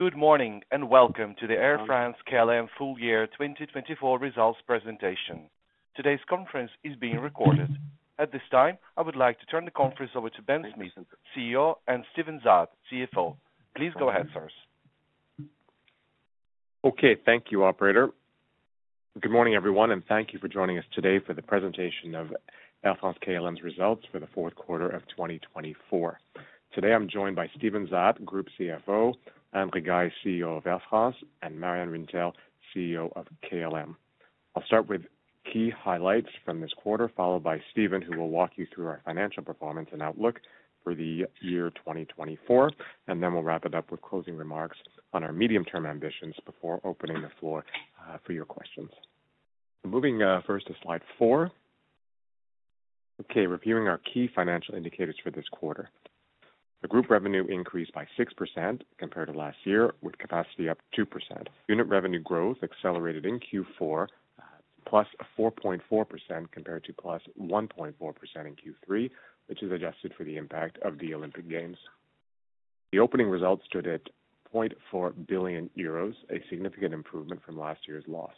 Good morning and welcome to the Air France-KLM Full Year 2024 Results Presentation. Today's conference is being recorded. At this time, I would like to turn the conference over to Ben Smith, CEO, and Steven Zaat, CFO. Please go ahead first. Okay, thank you, Operator. Good morning, everyone, and thank you for joining us today for the presentation of Air France-KLM's results for the fourth quarter of 2024. Today I'm joined by Steven Zaat, Group CFO, Anne Rigail, CEO of Air France, and Marjan Rintel, CEO of KLM. I'll start with key highlights from this quarter, followed by Steven, who will walk you through our financial performance and outlook for the year 2024, and then we'll wrap it up with closing remarks on our medium-term ambitions before opening the floor for your questions. Moving first to slide four. Okay, reviewing our key financial indicators for this quarter. The group revenue increased by 6% compared to last year, with capacity up 2%. Unit revenue growth accelerated in Q4, plus 4.4% compared to plus 1.4% in Q3, which is adjusted for the impact of the Olympic Games. The opening results stood at 4.4 billion euros, a significant improvement from last year's loss.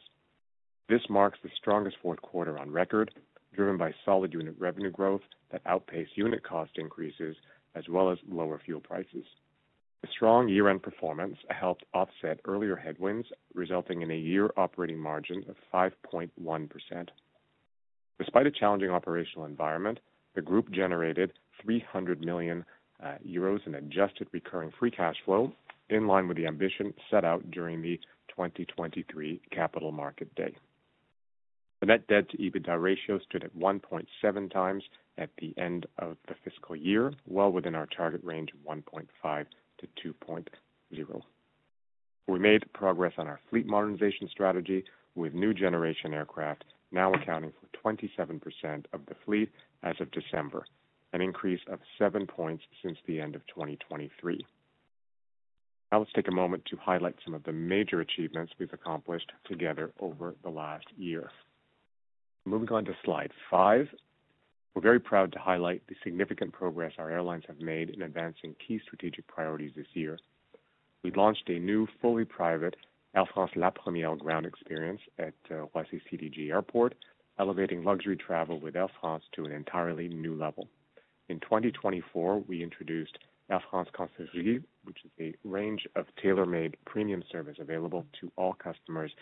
This marks the strongest fourth quarter on record, driven by solid unit revenue growth that outpaced unit cost increases as well as lower fuel prices. The strong year-end performance helped offset earlier headwinds, resulting in a year operating margin of 5.1%. Despite a challenging operational environment, the group generated 300 million euros in adjusted recurring free cash flow, in line with the ambition set out during the 2023 Capital Market Day. The net debt-to-EBITDA ratio stood at 1.7x at the end of the fiscal year, well within our target range of 1.5 to 2.0. We made progress on our fleet modernization strategy, with new generation aircraft now accounting for 27% of the fleet as of December, an increase of 7 points since the end of 2023. Now let's take a moment to highlight some of the major achievements we've accomplished together over the last year. Moving on to slide five, we're very proud to highlight the significant progress our airlines have made in advancing key strategic priorities this year. We launched a new, fully private Air France-La Première ground experience at Paris-CDG Airport, elevating luxury travel with Air France to an entirely new level. In 2024, we introduced Air France Conciergerie, which is a range of tailor-made premium service available to all customers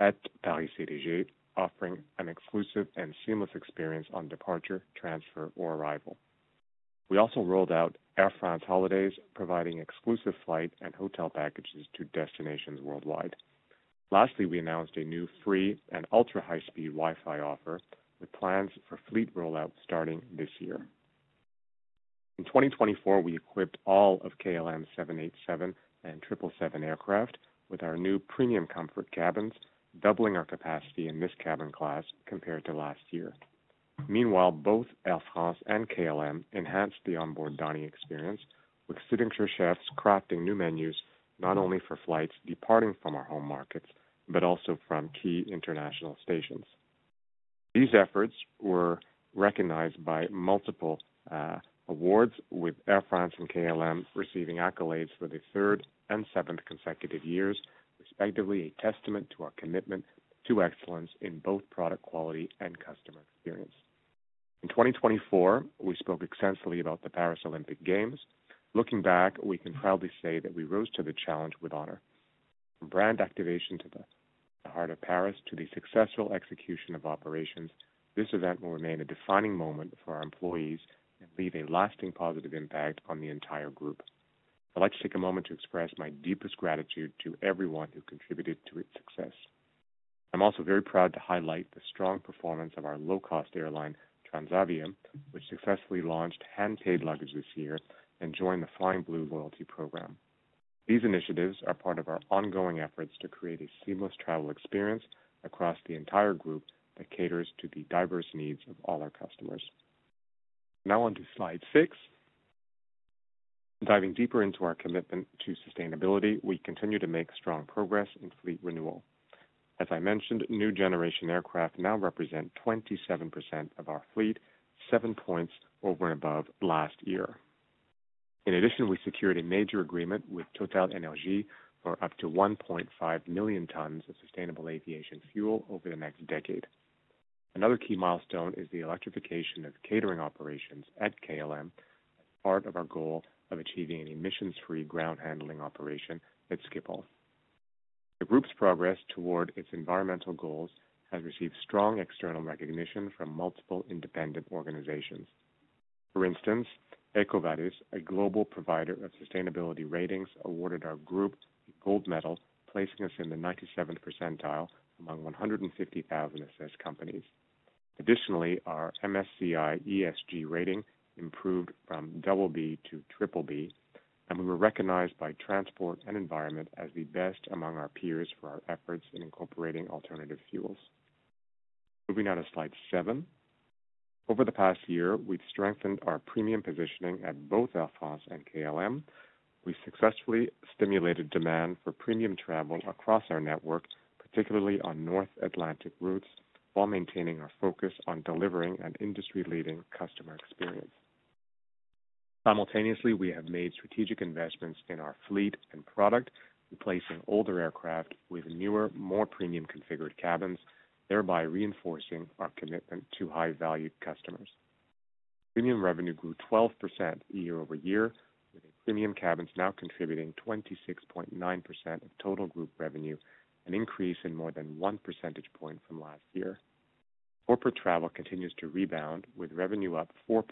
at Paris-CDG, offering an exclusive and seamless experience on departure, transfer, or arrival. We also rolled out Air France Holidays, providing exclusive flight and hotel packages to destinations worldwide. Lastly, we announced a new free and ultra high-speed Wi-Fi offer, with plans for fleet rollout starting this year. In 2024, we equipped all of KLM's 787 and 777 aircraft with our new premium comfort cabins, doubling our capacity in this cabin class compared to last year. Meanwhile, both Air France and KLM enhanced the onboard dining experience, with signature chefs crafting new menus not only for flights departing from our home markets, but also from key international stations. These efforts were recognized by multiple awards, with Air France and KLM receiving accolades for the third and seventh consecutive years, respectively, a testament to our commitment to excellence in both product quality and customer experience. In 2024, we spoke extensively about the Paris Olympic Games. Looking back, we can proudly say that we rose to the challenge with honor. From brand activation to the heart of Paris to the successful execution of operations, this event will remain a defining moment for our employees and leave a lasting positive impact on the entire group. I'd like to take a moment to express my deepest gratitude to everyone who contributed to its success. I'm also very proud to highlight the strong performance of our low-cost airline, Transavia, which successfully launched hand-paid luggage this year and joined the Flying Blue loyalty program. These initiatives are part of our ongoing efforts to create a seamless travel experience across the entire group that caters to the diverse needs of all our customers. Now on to slide six. Diving deeper into our commitment to sustainability, we continue to make strong progress in fleet renewal. As I mentioned, new generation aircraft now represent 27% of our fleet, seven points over and above last year. In addition, we secured a major agreement with TotalEnergies for up to 1.5 million tons of sustainable aviation fuel over the next decade. Another key milestone is the electrification of catering operations at KLM, part of our goal of achieving an emissions-free ground handling operation at Schiphol. The group's progress toward its environmental goals has received strong external recognition from multiple independent organizations. For instance, EcoVadis, a global provider of sustainability ratings, awarded our group a gold medal, placing us in the 97th percentile among 150,000 assessed companies. Additionally, our MSCI ESG rating improved from BB to BBB, and we were recognized by Transport & Environment as the best among our peers for our efforts in incorporating alternative fuels. Moving on to slide seven. Over the past year, we've strengthened our premium positioning at both Air France and KLM. We successfully stimulated demand for premium travel across our network, particularly on North Atlantic routes, while maintaining our focus on delivering an industry-leading customer experience. Simultaneously, we have made strategic investments in our fleet and product, replacing older aircraft with newer, more premium configured cabins, thereby reinforcing our commitment to high-valued customers. Premium revenue grew 12% year-over-year, with premium cabins now contributing 26.9% of total group revenue, an increase in more than one percentage point from last year. Corporate travel continues to rebound, with revenue up 4%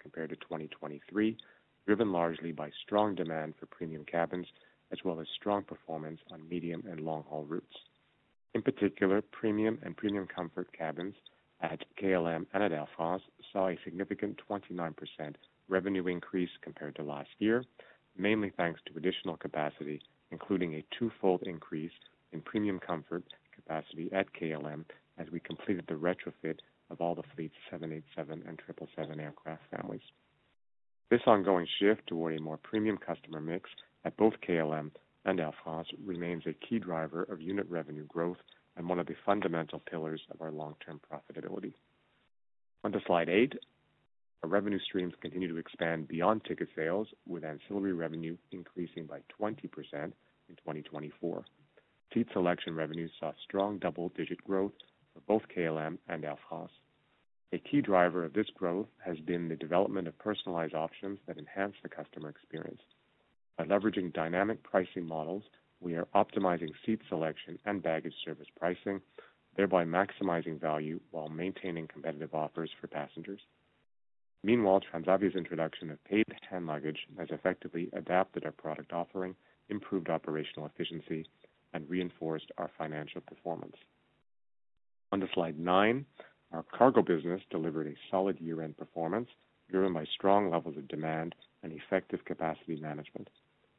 compared to 2023, driven largely by strong demand for premium cabins, as well as strong performance on medium and long-haul routes. In particular, premium and premium comfort cabins at KLM and at Air France saw a significant 29% revenue increase compared to last year, mainly thanks to additional capacity, including a twofold increase in premium comfort capacity at KLM as we completed the retrofit of all the fleet's 787 and 777 aircraft families. This ongoing shift toward a more premium customer mix at both KLM and Air France remains a key driver of unit revenue growth and one of the fundamental pillars of our long-term profitability. On to slide eight. Our revenue streams continue to expand beyond ticket sales, with ancillary revenue increasing by 20% in 2024. Seat selection revenues saw strong double-digit growth for both KLM and Air France. A key driver of this growth has been the development of personalized options that enhance the customer experience. By leveraging dynamic pricing models, we are optimizing seat selection and baggage service pricing, thereby maximizing value while maintaining competitive offers for passengers. Meanwhile, Transavia's introduction of paid hand luggage has effectively adapted our product offering, improved operational efficiency, and reinforced our financial performance. On to slide nine. Our cargo business delivered a solid year-end performance, driven by strong levels of demand and effective capacity management.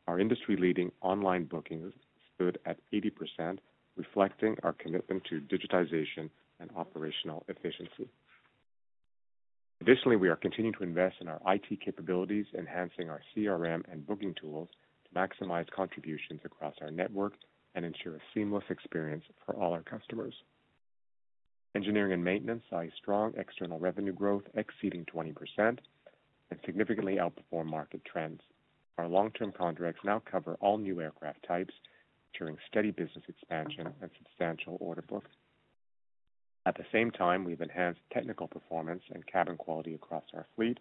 Our industry-leading online bookings stood at 80%, reflecting our commitment to digitization and operational efficiency. Additionally, we are continuing to invest in our IT capabilities, enhancing our CRM and booking tools to maximize contributions across our network and ensure a seamless experience for all our customers. Engineering and maintenance saw a strong external revenue growth exceeding 20% and significantly outperformed market trends. Our long-term contracts now cover all new aircraft types, ensuring steady business expansion and substantial order books. At the same time, we've enhanced technical performance and cabin quality across our fleet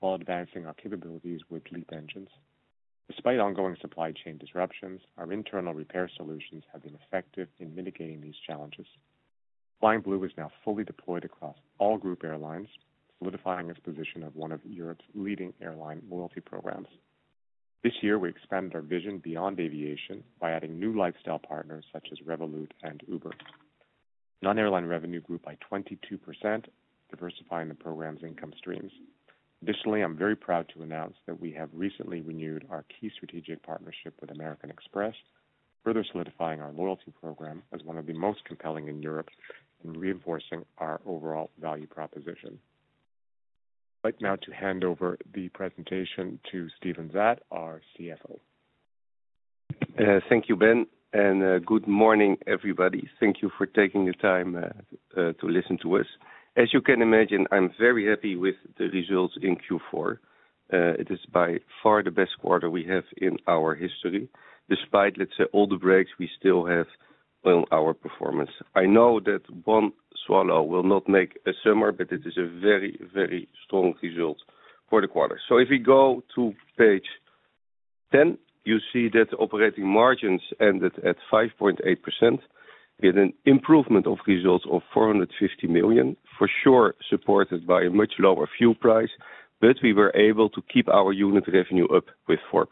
while advancing our capabilities with LEAP engines. Despite ongoing supply chain disruptions, our internal repair solutions have been effective in mitigating these challenges. Flying Blue is now fully deployed across all group airlines, solidifying its position as one of Europe's leading airline loyalty programs. This year, we expanded our vision beyond aviation by adding new lifestyle partners such as Revolut and Uber. Non-airline revenue grew by 22%, diversifying the program's income streams. Additionally, I'm very proud to announce that we have recently renewed our key strategic partnership with American Express, further solidifying our loyalty program as one of the most compelling in Europe and reinforcing our overall value proposition. I'd like now to hand over the presentation to Steven Zaat, our CFO. Thank you, Ben, and good morning, everybody. Thank you for taking the time to listen to us. As you can imagine, I'm very happy with the results in Q4. It is by far the best quarter we have in our history. Despite, let's say, all the breaks, we still have our performance. I know that one swallow will not make a summer, but it is a very, very strong result for the quarter. So if we go to page 10, you see that operating margins ended at 5.8%, with an improvement of results of 450 million, for sure supported by a much lower fuel price, but we were able to keep our unit revenue up with 4%.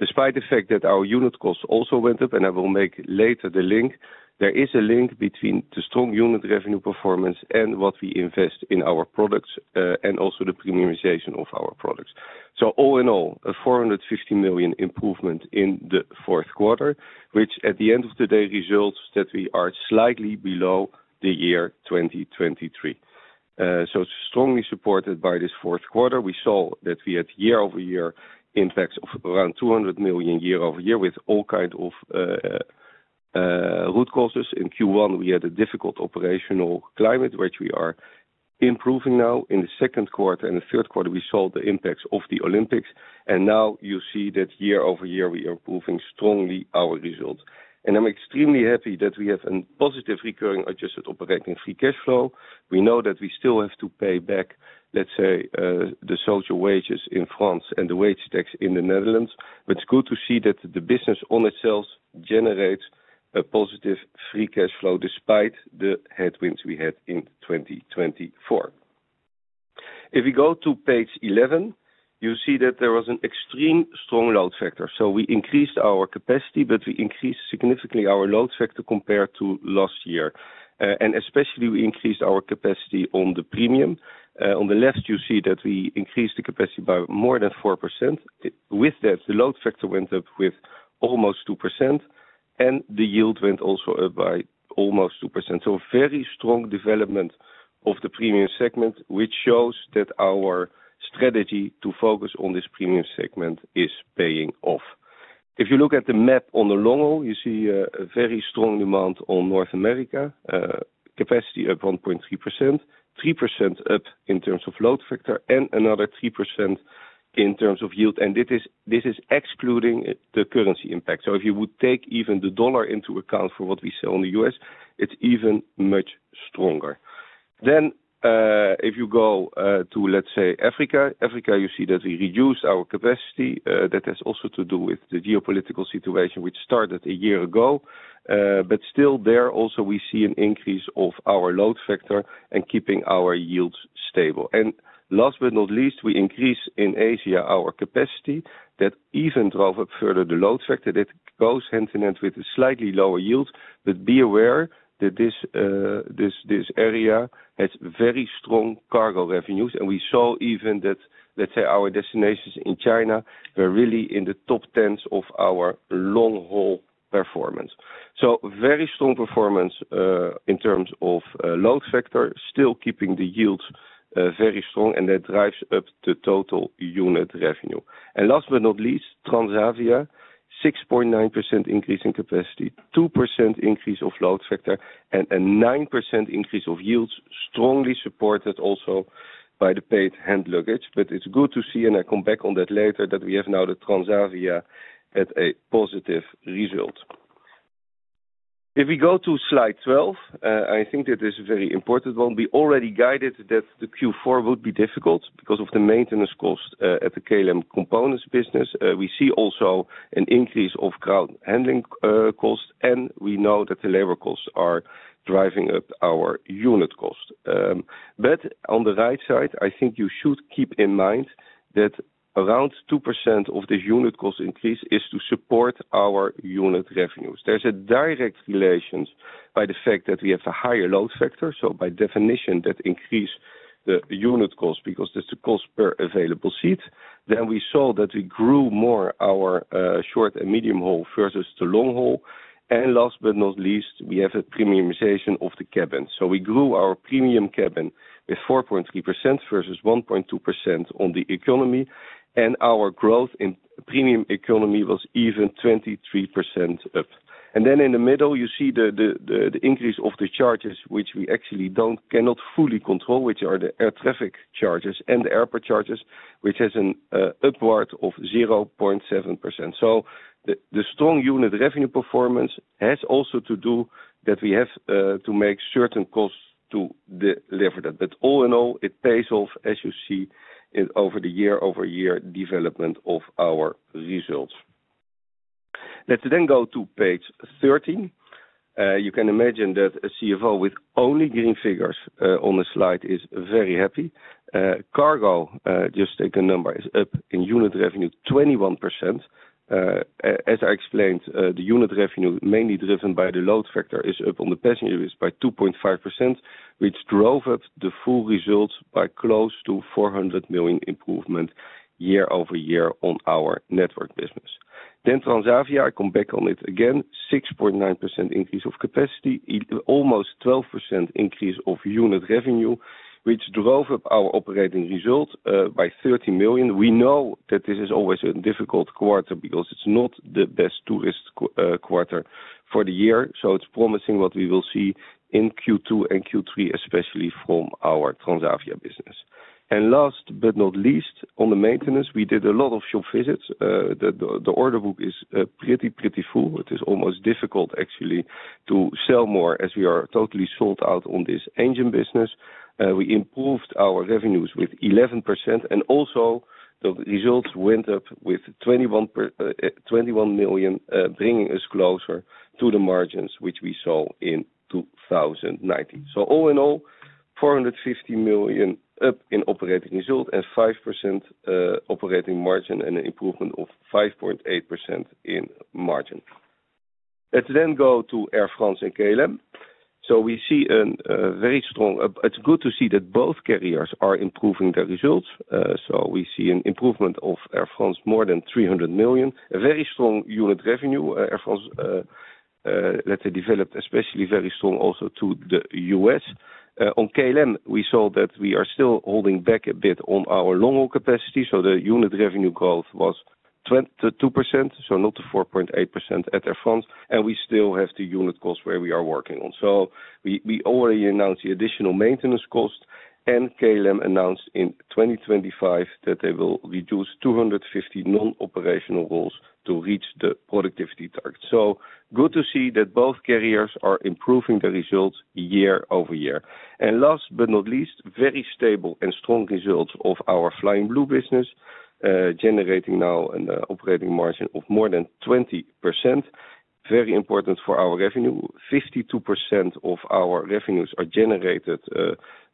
Despite the fact that our unit costs also went up, and I will make later the link, there is a link between the strong unit revenue performance and what we invest in our products and also the premiumization of our products. So all in all, a 450 million improvement in the fourth quarter, which at the end of the day results that we are slightly below the year 2023. So strongly supported by this fourth quarter, we saw that we had year-over-year impacts of around 200 million year-over-year with all kinds of root causes. In Q1, we had a difficult operational climate, which we are improving now. In the second quarter and the third quarter, we saw the impacts of the Olympics, and now you see that year-over-year we are improving strongly our results. I'm extremely happy that we have a positive recurring adjusted operating free cash flow. We know that we still have to pay back, let's say, the social wages in France and the wage tax in the Netherlands, but it's good to see that the business on itself generates a positive free cash flow despite the headwinds we had in 2024. If we go to page 11, you see that there was an extreme strong load factor. So we increased our capacity, but we increased significantly our load factor compared to last year, and especially we increased our capacity on the premium. On the left, you see that we increased the capacity by more than 4%. With that, the load factor went up with almost 2%, and the yield went also up by almost 2%. So a very strong development of the premium segment, which shows that our strategy to focus on this premium segment is paying off. If you look at the map on the long haul, you see a very strong demand on North America, capacity of 1.3%. 3% up in terms of load factor, and another 3% in terms of yield. And this is excluding the currency impact. So if you would take even the dollar into account for what we sell in the U.S., it's even much stronger. Then if you go to, let's say, Africa, you see that we reduced our capacity. That has also to do with the geopolitical situation, which started a year ago, but still there also we see an increase of our load factor and keeping our yields stable. And last but not least, we increased in Asia our capacity that even drove up further the load factor. That goes hand in hand with a slightly lower yield, but be aware that this area has very strong cargo revenues, and we saw even that, let's say, our destinations in China were really in the top 10s of our long-haul performance. So very strong performance in terms of load factor, still keeping the yields very strong, and that drives up the total unit revenue. And last but not least, Transavia, 6.9% increase in capacity, 2% increase of load factor, and a 9% increase of yields, strongly supported also by the paid hand luggage. But it's good to see, and I'll come back on that later, that we have now the Transavia at a positive result. If we go to slide 12, I think that is a very important one. We already guided that the Q4 would be difficult because of the maintenance cost at the KLM components business. We see also an increase of ground handling cost, and we know that the labor costs are driving up our unit cost. But on the right side, I think you should keep in mind that around 2% of the unit cost increase is to support our unit revenues. There's a direct relation by the fact that we have a higher load factor. So by definition, that increased the unit cost because that's the cost per available seat. Then we saw that we grew more our short and medium haul versus the long haul. And last but not least, we have a premiumization of the cabin. So we grew our premium cabin with 4.3% versus 1.2% on the economy, and our growth in premium economy was even 23% up. Then in the middle, you see the increase of the charges, which we actually cannot fully control, which are the air traffic charges and the airport charges, which has an upward of 0.7%. So the strong unit revenue performance has also to do that we have to make certain costs to deliver that. But all in all, it pays off, as you see, over the year-over-year development of our results. Let's then go to page 13. You can imagine that a CFO with only green figures on the slide is very happy. Cargo, just take a number, is up in unit revenue 21%. As I explained, the unit revenue, mainly driven by the load factor, is up on the passenger list by 2.5%, which drove up the full result by close to 400 million improvement year-over-year on our network business. Then Transavia, I'll come back on it again, 6.9% increase of capacity, almost 12% increase of unit revenue, which drove up our operating result by 30 million. We know that this is always a difficult quarter because it's not the best tourist quarter for the year, so it's promising what we will see in Q2 and Q3, especially from our Transavia business. And last but not least, on the maintenance, we did a lot of shop visits. The order book is pretty, pretty full. It is almost difficult, actually, to sell more as we are totally sold out on this engine business. We improved our revenues with 11%, and also the results went up with 21 million bringing us closer to the margins which we saw in 2019. So all in all, 450 million up in operating result and 5% operating margin and an improvement of 5.8% in margin. Let's then go to Air France and KLM, so we see a very strong, it's good to see that both carriers are improving their results, so we see an improvement of Air France more than 300 million, a very strong unit revenue. Air France, let's say, developed especially very strong also to the U.S. On KLM, we saw that we are still holding back a bit on our long-haul capacity, so the unit revenue growth was 22%, so not 4.8% at Air France, and we still have the unit cost where we are working on, so we already announced the additional maintenance cost, and KLM announced in 2025 that they will reduce 250 non-operational roles to reach the productivity target, so good to see that both carriers are improving their results year-over-year. Last but not least, very stable and strong results of our Flying Blue business, generating now an operating margin of more than 20%, very important for our revenue. 52% of our revenues are generated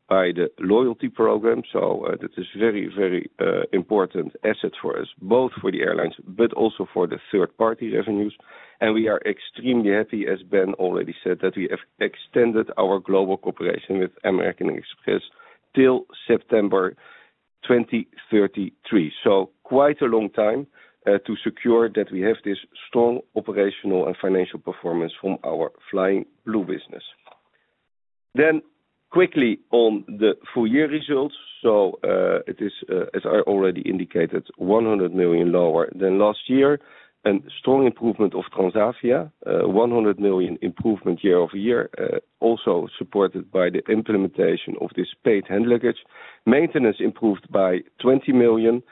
by the loyalty program. So that is a very, very important asset for us, both for the airlines but also for the third-party revenues. And we are extremely happy, as Ben already said, that we have extended our global cooperation with American Express till September 2033. So quite a long time to secure that we have this strong operational and financial performance from our Flying Blue business. Then quickly on the full year results. So it is, as I already indicated, 100 million lower than last year. A strong improvement of Transavia, 100 million improvement year-over-year, also supported by the implementation of this paid hand luggage. Maintenance improved by 20 million.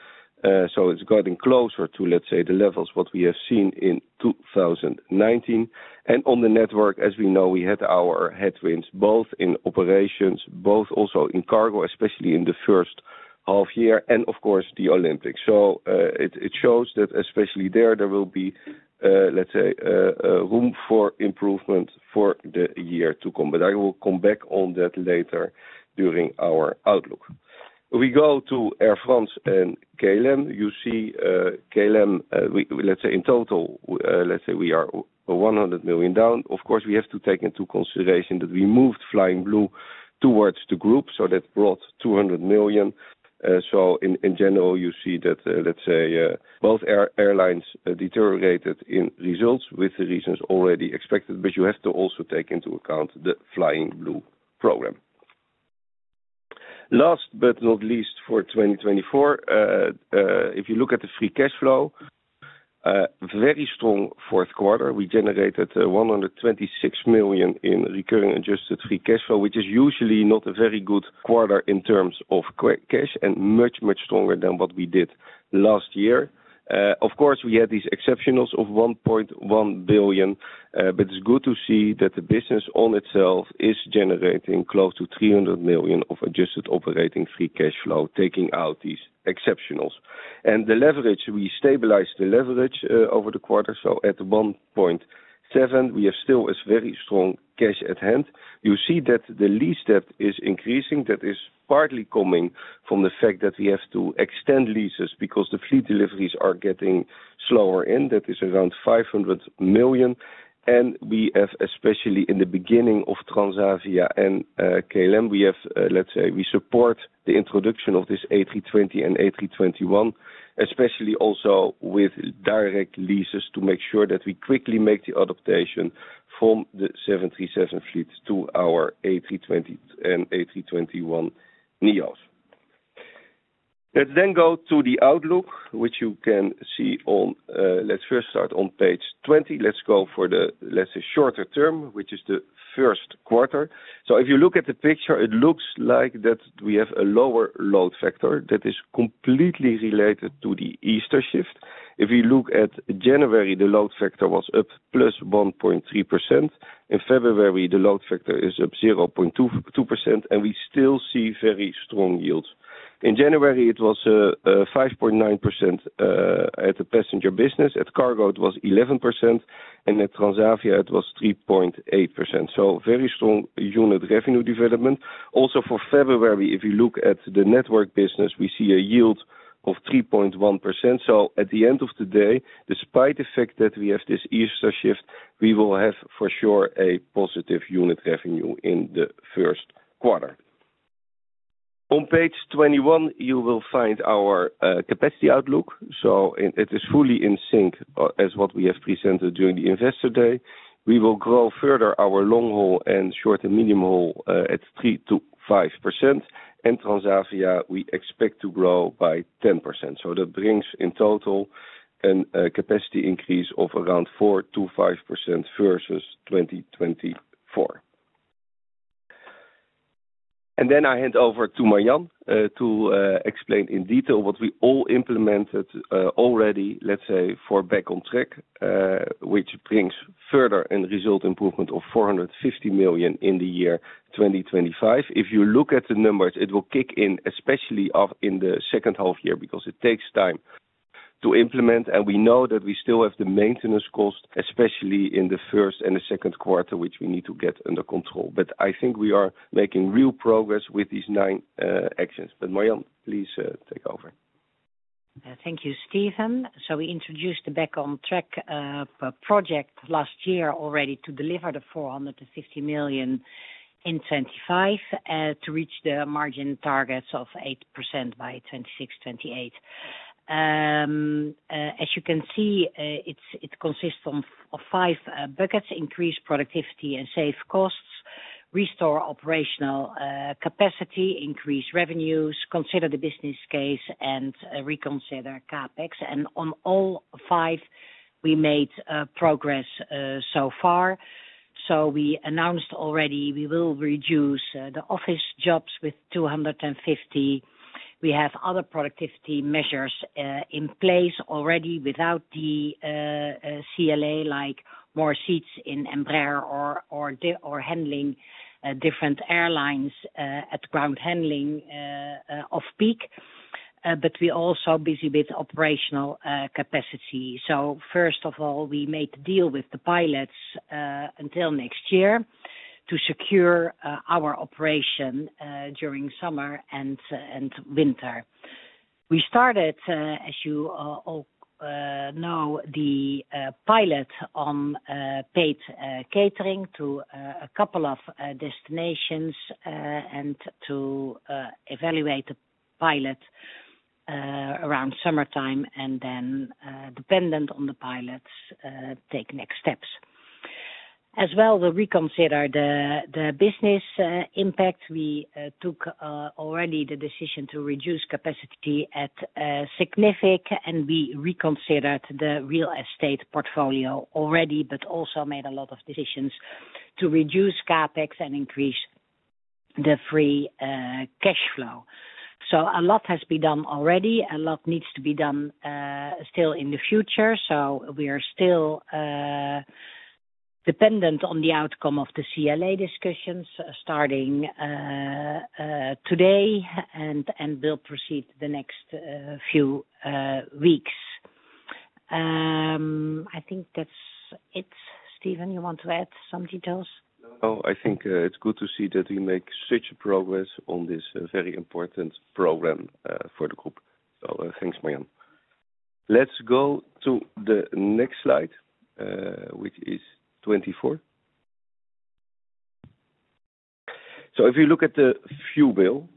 So it's gotten closer to, let's say, the levels what we have seen in 2019. And on the network, as we know, we had our headwinds both in operations, both also in cargo, especially in the first half year, and of course, the Olympics. So it shows that especially there, there will be, let's say, room for improvement for the year to come. But I will come back on that later during our outlook. If we go to Air France and KLM, you see KLM, let's say, in total, let's say we are 100 million down. Of course, we have to take into consideration that we moved Flying Blue towards the group, so that brought 200 million. So in general, you see that, let's say, both airlines deteriorated in results with the reasons already expected, but you have to also take into account the Flying Blue program. Last but not least for 2024, if you look at the free cash flow, very strong fourth quarter. We generated 126 million in recurring adjusted free cash flow, which is usually not a very good quarter in terms of cash, and much, much stronger than what we did last year. Of course, we had these exceptionals of 1.1 billion, but it's good to see that the business on itself is generating close to 300 million of adjusted operating free cash flow, taking out these exceptionals, and the leverage, we stabilized the leverage over the quarter, so at 1.7, we have still a very strong cash at hand. You see that the lease debt is increasing. That is partly coming from the fact that we have to extend leases because the fleet deliveries are getting slower in. That is around 500 million. We have, especially in the beginning of Transavia and KLM, we have, let's say, we support the introduction of this A320 and A321, especially also with direct leases to make sure that we quickly make the adaptation from the 737 fleet to our A320 and A321neo. Let's then go to the outlook, which you can see on, let's first start on page 20. Let's go for the, let's say, shorter term, which is the first quarter. So if you look at the picture, it looks like that we have a lower load factor that is completely related to the Easter shift. If we look at January, the load factor was up plus 1.3%. In February, the load factor is up 0.2%, and we still see very strong yields. In January, it was 5.9% at the passenger business. At cargo, it was 11%, and at Transavia, it was 3.8%. So very strong unit revenue development. Also for February, if you look at the network business, we see a yield of 3.1%. So at the end of the day, despite the fact that we have this Easter shift, we will have for sure a positive unit revenue in the first quarter. On page 21, you will find our capacity outlook. So it is fully in sync as what we have presented during the investor day. We will grow further our long haul and short and medium haul at 3%-5%, and Transavia, we expect to grow by 10%. So that brings in total a capacity increase of around 4%-5% versus 2024. And then I hand over to Marjan to explain in detail what we all implemented already, let's say, for Back on Track, which brings further a result improvement of 450 million in the year 2025. If you look at the numbers, it will kick in especially in the second half year because it takes time to implement, and we know that we still have the maintenance cost, especially in the first and the second quarter, which we need to get under control. But I think we are making real progress with these nine actions. But Marjan, please take over. Thank you, Steven. We introduced the Back on Track project last year already to deliver 450 million in 2025 to reach the margin targets of 8% by 2026-2028. As you can see, it consists of five buckets: increase productivity and save costs, restore operational capacity, increase revenues, consider the business case, and reconsider CapEx. And on all five, we made progress so far. We announced already we will reduce the office jobs with 250. We have other productivity measures in place already without the CLA, like more seats in Embraer or handling different airlines at ground handling off-peak, but we are also busy with operational capacity, so first of all, we made a deal with the pilots until next year to secure our operation during summer and winter. We started, as you all know, the pilot on paid catering to a couple of destinations and to evaluate the pilot around summertime, and then dependent on the pilots, take next steps. As well, we reconsidered the business impact. We took already the decision to reduce capacity at Schiphol, and we reconsidered the real estate portfolio already, but also made a lot of decisions to reduce CapEx and increase the free cash flow, so a lot has been done already. A lot needs to be done still in the future. We are still dependent on the outcome of the CLA discussions starting today and will proceed the next few weeks. I think that's it. Steven, you want to add some details? No, I think it's good to see that we make such progress on this very important program for the group. So thanks, Marjan. Let's go to the next slide, which is 24. So if you look at the fuel bill,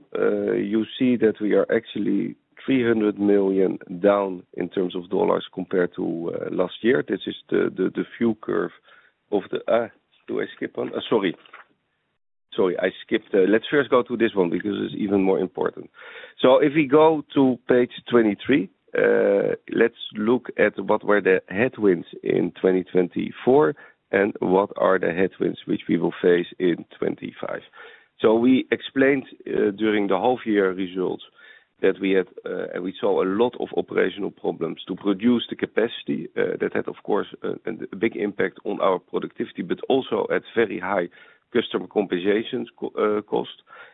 you see that we are actually $300 million down in terms of dollars compared to last year. This is the fuel curve of the—do I skip one? Sorry. Sorry, I skipped. Let's first go to this one because it's even more important. So if we go to page 23, let's look at what were the headwinds in 2024 and what are the headwinds which we will face in 2025. So we explained during the half-year results that we had, and we saw a lot of operational problems to produce the capacity that had, of course, a big impact on our productivity, but also at very high customer compensation cost.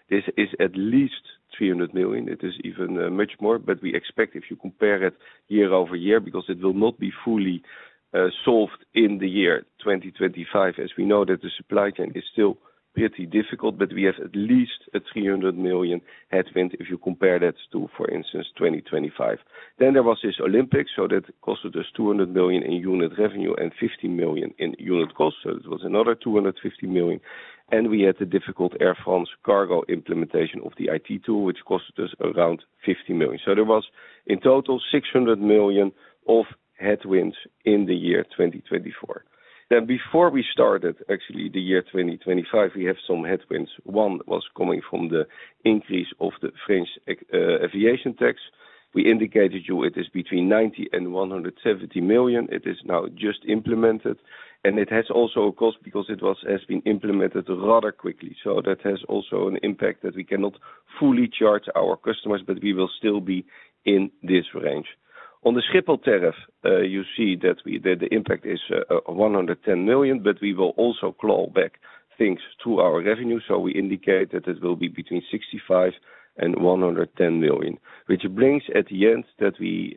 This is at least 300 million. It is even much more, but we expect if you compare it year-over-year because it will not be fully solved in the year 2025. As we know, the supply chain is still pretty difficult, but we have at least a 300 million headwind if you compare that to, for instance, 2025. Then there was this Olympics, so that costed us 200 million in unit revenue and 15 million in unit cost. So it was another 250 million. And we had the difficult Air France cargo implementation of the IT tool, which costed us around 50 million. So there was in total 600 million of headwinds in the year 2024. Then before we started, actually, the year 2025, we have some headwinds. One was coming from the increase of the French Aviation tax. We indicated you it is between 90 million and 170 million. It is now just implemented, and it has also a cost because it has been implemented rather quickly. So that has also an impact that we cannot fully charge our customers, but we will still be in this range. On the Schiphol tariff, you see that the impact is 110 million, but we will also claw back things through our revenue. So we indicate that it will be between 65 million and 110 million, which brings at the end that we,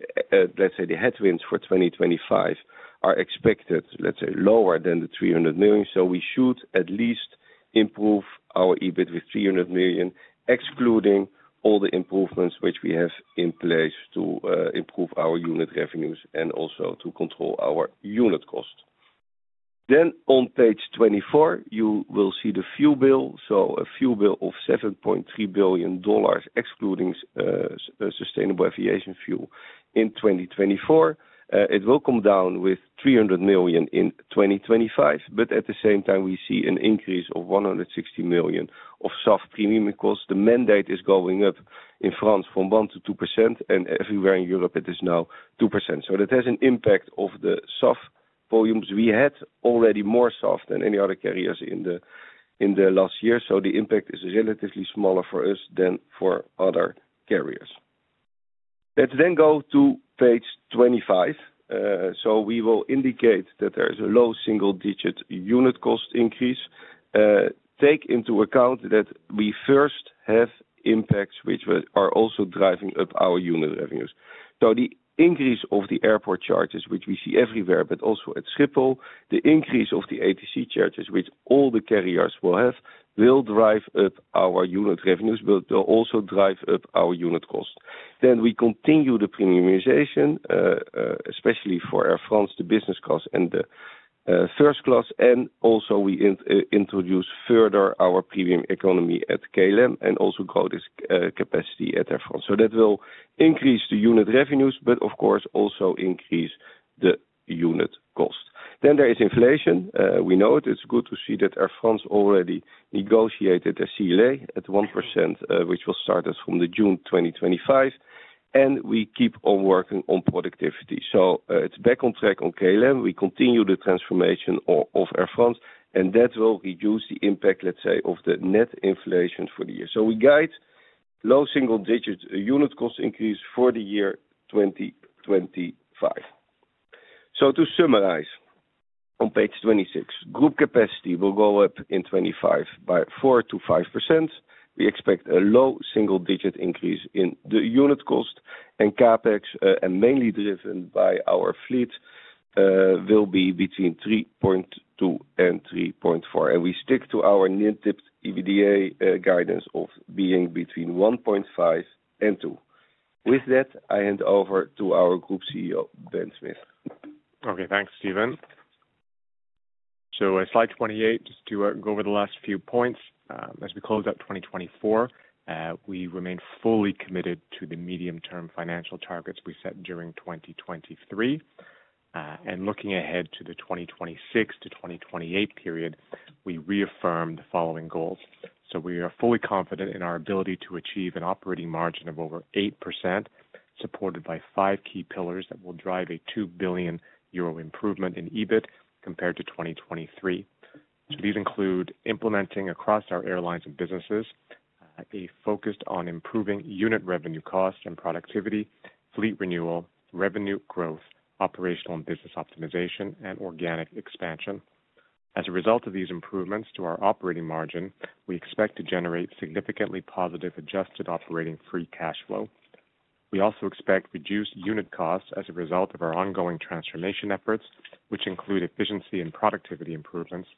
let's say, the headwinds for 2025 are expected, let's say, lower than the 300 million. We should at least improve our EBIT with 300 million, excluding all the improvements which we have in place to improve our unit revenues and also to control our unit cost. Then on page 24, you will see the fuel bill. A fuel bill of $7.3 billion, excluding sustainable aviation fuel in 2024. It will come down with 300 million in 2025, but at the same time, we see an increase of 160 million of SAF premium because the mandate is going up in France from 1% to 2%, and everywhere in Europe, it is now 2%. So that has an impact of the SAF volumes. We had already more SAF than any other carriers in the last year. So the impact is relatively smaller for us than for other carriers. Let's then go to page 25. So we will indicate that there is a low single-digit unit cost increase. Take into account that we first have impacts which are also driving up our unit revenues. So the increase of the airport charges, which we see everywhere, but also at Schiphol, the increase of the ATC charges, which all the carriers will have, will drive up our unit revenues, but will also drive up our unit cost. Then we continue the premiumization, especially for Air France, the business class and the first class. And also we introduce further our premium economy at KLM and also grow this capacity at Air France. So that will increase the unit revenues, but of course also increase the unit cost. Then there is inflation. We know it. It's good to see that Air France already negotiated a CLA at 1%, which will start from June 2025, and we keep on working on productivity. It's back on track on KLM. We continue the transformation of Air France, and that will reduce the impact, let's say, of the net inflation for the year. We guide low single-digit unit cost increase for the year 2025. To summarize on page 26, group capacity will go up in 2025 by 4%-5%. We expect a low single-digit increase in the unit cost, and CapEx, mainly driven by our fleet, will be between 3.2 and 3.4. We stick to our net debt-to-EBITDA guidance of being between 1.5 and 2. With that, I hand over to our group CEO, Ben Smith. Okay, thanks, Steven. Slide 28, just to go over the last few points. As we close out 2024, we remain fully committed to the medium-term financial targets we set during 2023. And looking ahead to the 2026 to 2028 period, we reaffirm the following goals. So we are fully confident in our ability to achieve an operating margin of over 8%, supported by five key pillars that will drive a 2 billion euro improvement in EBIT compared to 2023. So these include implementing across our airlines and businesses, a focus on improving unit revenue costs and productivity, fleet renewal, revenue growth, operational and business optimization, and organic expansion. As a result of these improvements to our operating margin, we expect to generate significantly positive adjusted operating free cash flow. We also expect reduced unit costs as a result of our ongoing transformation efforts, which include efficiency and productivity improvements,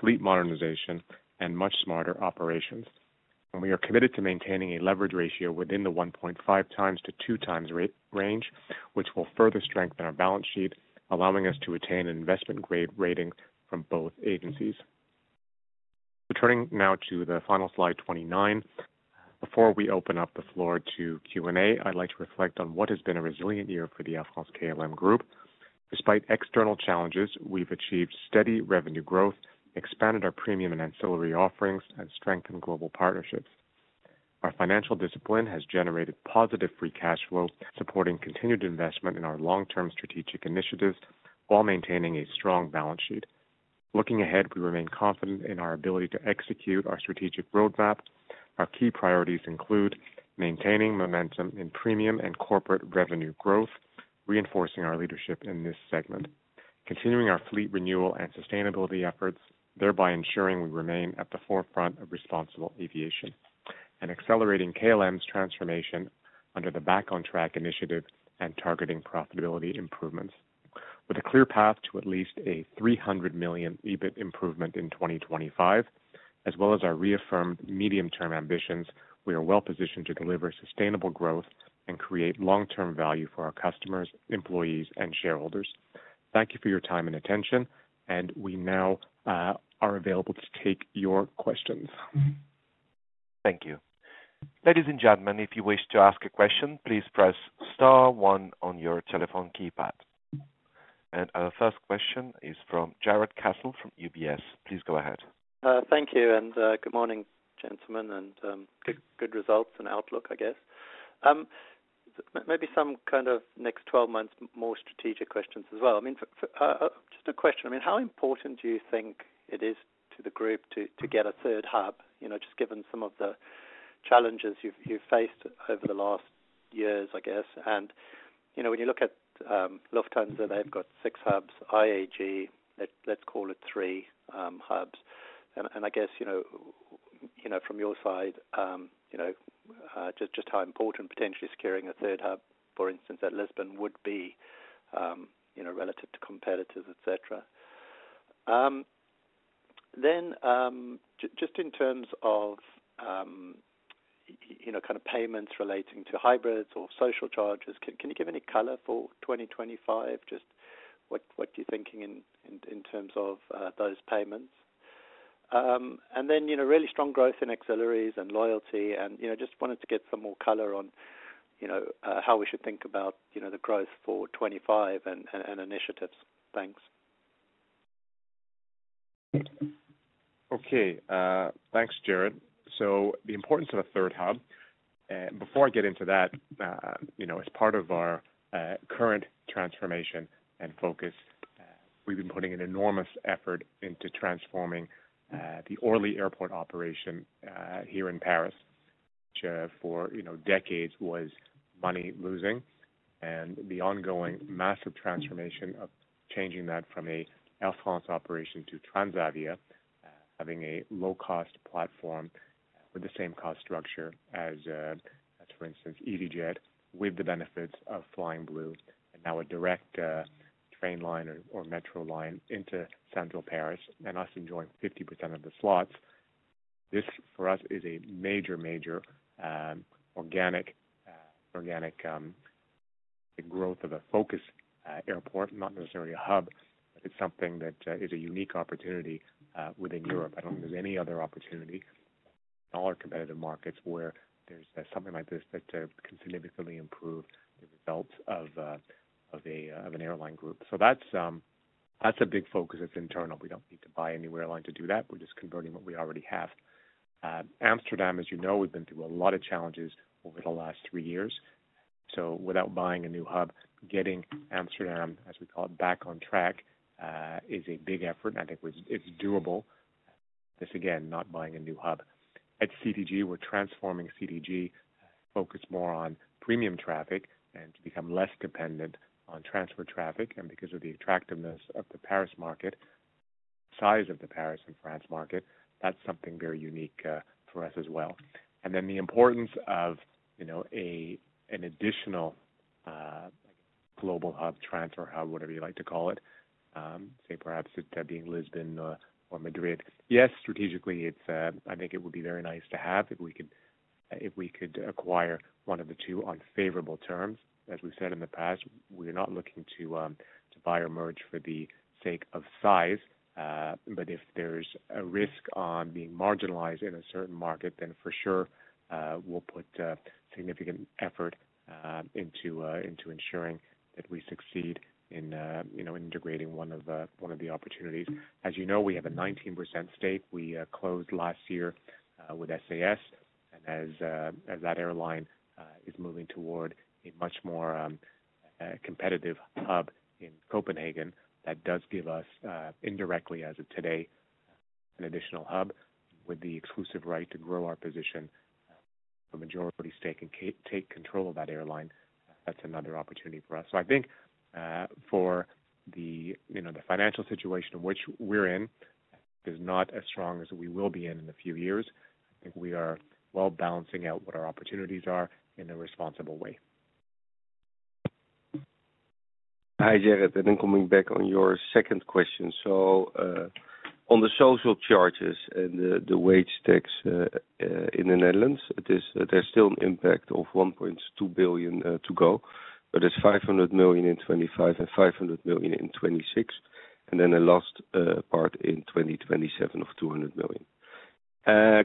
fleet modernization, and much smarter operations. We are committed to maintaining a leverage ratio within the 1.5x to 2x range, which will further strengthen our balance sheet, allowing us to attain an investment-grade rating from both agencies. Turning now to the final slide 29, before we open up the floor to Q&A, I'd like to reflect on what has been a resilient year for the Air France-KLM Group. Despite external challenges, we've achieved steady revenue growth, expanded our premium and ancillary offerings, and strengthened global partnerships. Our financial discipline has generated positive free cash flow, supporting continued investment in our long-term strategic initiatives, while maintaining a strong balance sheet. Looking ahead, we remain confident in our ability to execute our strategic roadmap. Our key priorities include maintaining momentum in premium and corporate revenue growth, reinforcing our leadership in this segment, continuing our fleet renewal and sustainability efforts, thereby ensuring we remain at the forefront of responsible aviation, and accelerating KLM's transformation under the Back on Track initiative and targeting profitability improvements. With a clear path to at least a 300 million EBIT improvement in 2025, as well as our reaffirmed medium-term ambitions, we are well positioned to deliver sustainable growth and create long-term value for our customers, employees, and shareholders. Thank you for your time and attention, and we now are available to take your questions. Thank you. Ladies and gentlemen, if you wish to ask a question, please press star one on your telephone keypad. Our first question is from Jarrod Castle from UBS. Please go ahead. Thank you, and good morning, gentlemen, and good results and outlook, I guess. Maybe some kind of next 12 months, more strategic questions as well. I mean, just a question. I mean, how important do you think it is to the group to get a third hub, just given some of the challenges you've faced over the last years, I guess? And when you look at Lufthansa, they've got six hubs, IAG, let's call it three hubs. And I guess from your side, just how important potentially securing a third hub, for instance, at Lisbon would be relative to competitors, etc. Then just in terms of kind of payments relating to hybrids or social charges, can you give any color for 2025? Just what you're thinking in terms of those payments. And then really strong growth in ancillaries and loyalty, and just wanted to get some more color on how we should think about the growth for 25 and initiatives? Thanks. Okay, thanks, Jarrod. The importance of a third hub. Before I get into that, as part of our current transformation and focus, we've been putting an enormous effort into transforming the Orly Airport operation here in Paris, which for decades was money-losing. The ongoing massive transformation of changing that from an Air France operation to Transavia, having a low-cost platform with the same cost structure as, for instance, easyJet, with the benefits of Flying Blue, and now a direct train line or metro line into central Paris, and us enjoying 50% of the slots. This, for us, is a major, major organic growth of a focus airport, not necessarily a hub, but it's something that is a unique opportunity within Europe. I don't think there's any other opportunity in all our competitive markets where there's something like this that can significantly improve the results of an airline group. So that's a big focus. It's internal. We don't need to buy a new airline to do that. We're just converting what we already have. Amsterdam, as you know, we've been through a lot of challenges over the last three years. So without buying a new hub, getting Amsterdam, as we call it, back on track is a big effort, and I think it's doable. This again, not buying a new hub. At CDG, we're transforming CDG, focused more on premium traffic and to become less dependent on transfer traffic. And because of the attractiveness of the Paris market, the size of the Paris and France market, that's something very unique for us as well. And then the importance of an additional global hub, transfer hub, whatever you like to call it, say perhaps it being Lisbon or Madrid. Yes, strategically, I think it would be very nice to have if we could acquire one of the two on favorable terms. As we've said in the past, we're not looking to buy or merge for the sake of size. But if there's a risk of being marginalized in a certain market, then for sure, we'll put significant effort into ensuring that we succeed in integrating one of the opportunities. As you know, we have a 19% stake. We closed last year with SAS, and as that airline is moving toward a much more competitive hub in Copenhagen, that does give us indirectly, as of today, an additional hub with the exclusive right to grow our position. The majority stake and take control of that airline, that's another opportunity for us. I think for the financial situation in which we're in, it is not as strong as we will be in a few years. I think we are well balancing out what our opportunities are in a responsible way. Hi, Jarrod. Then coming back on your second question. On the social charges and the wage stakes in the Netherlands, there's still an impact of 1.2 billion to go. But there's 500 million in 2025 and 500 million in 2026, and then the last part in 2027 of 200 million.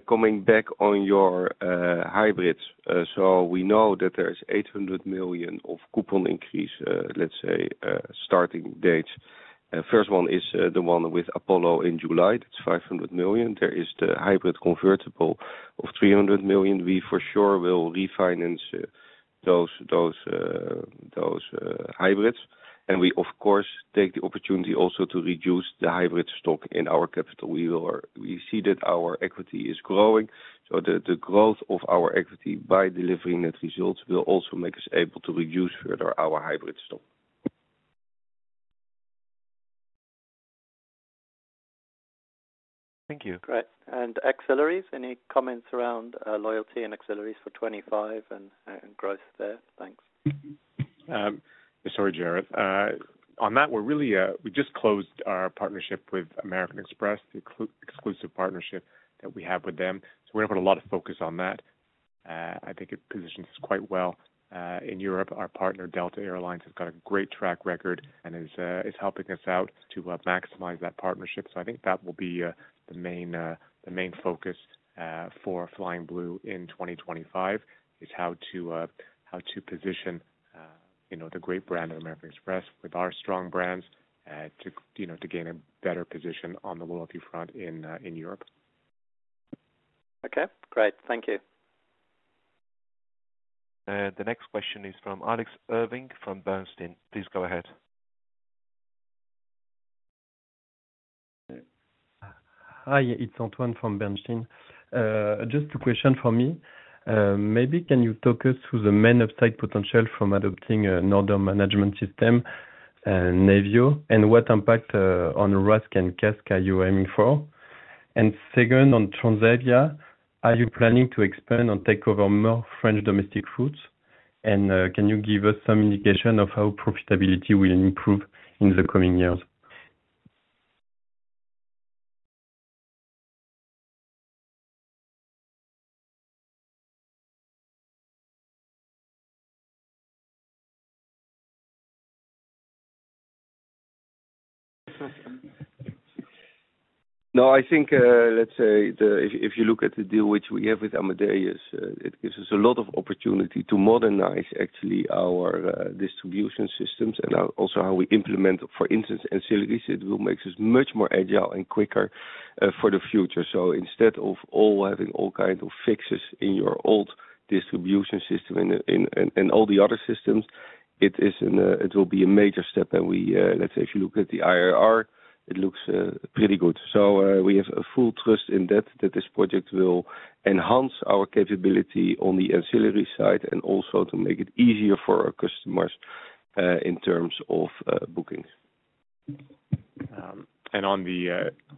Coming back on your hybrids, we know that there is 800 million of coupon increase, let's say, starting dates. First one is the one with Apollo in July. That's 500 million. There is the hybrid convertible of 300 million. We for sure will refinance those hybrids. Of course, take the opportunity also to reduce the hybrid stock in our capital. We see that our equity is growing. So the growth of our equity by delivering that results will also make us able to reduce further our hybrid stock. Thank you. Great. And ancillaries, any comments around loyalty and ancillaries for 2025 and growth there? Thanks. Sorry, Jarrod. On that, we just closed our partnership with American Express, the exclusive partnership that we have with them. So we're going to put a lot of focus on that. I think it positions us quite well in Europe. Our partner, Delta Air Lines, has got a great track record and is helping us out to maximize that partnership. So I think that will be the main focus for Flying Blue in 2025, is how to position the great brand of American Express with our strong brands to gain a better position on the loyalty front in Europe. Okay. Great. Thank you. The next question is from Alex Irving from Bernstein. Please go ahead. Hi, it's Antoine from Bernstein. Just a question for me. Maybe can you talk us through the main upside potential from adopting a new management system, Nevio, and what impact on RASK and CASK are you aiming for? And second, on Transavia, are you planning to expand and take over more French domestic routes? And can you give us some indication of how profitability will improve in the coming years? No, I think, let's say, if you look at the deal which we have with Amadeus, it gives us a lot of opportunity to modernize, actually, our distribution systems and also how we implement, for instance, ancillaries. It will make us much more agile and quicker for the future. So instead of having all kinds of fixes in your old distribution system and all the other systems, it will be a major step. And let's say, if you look at the IRR, it looks pretty good. So we have a full trust in that this project will enhance our capability on the ancillary side and also to make it easier for our customers in terms of bookings.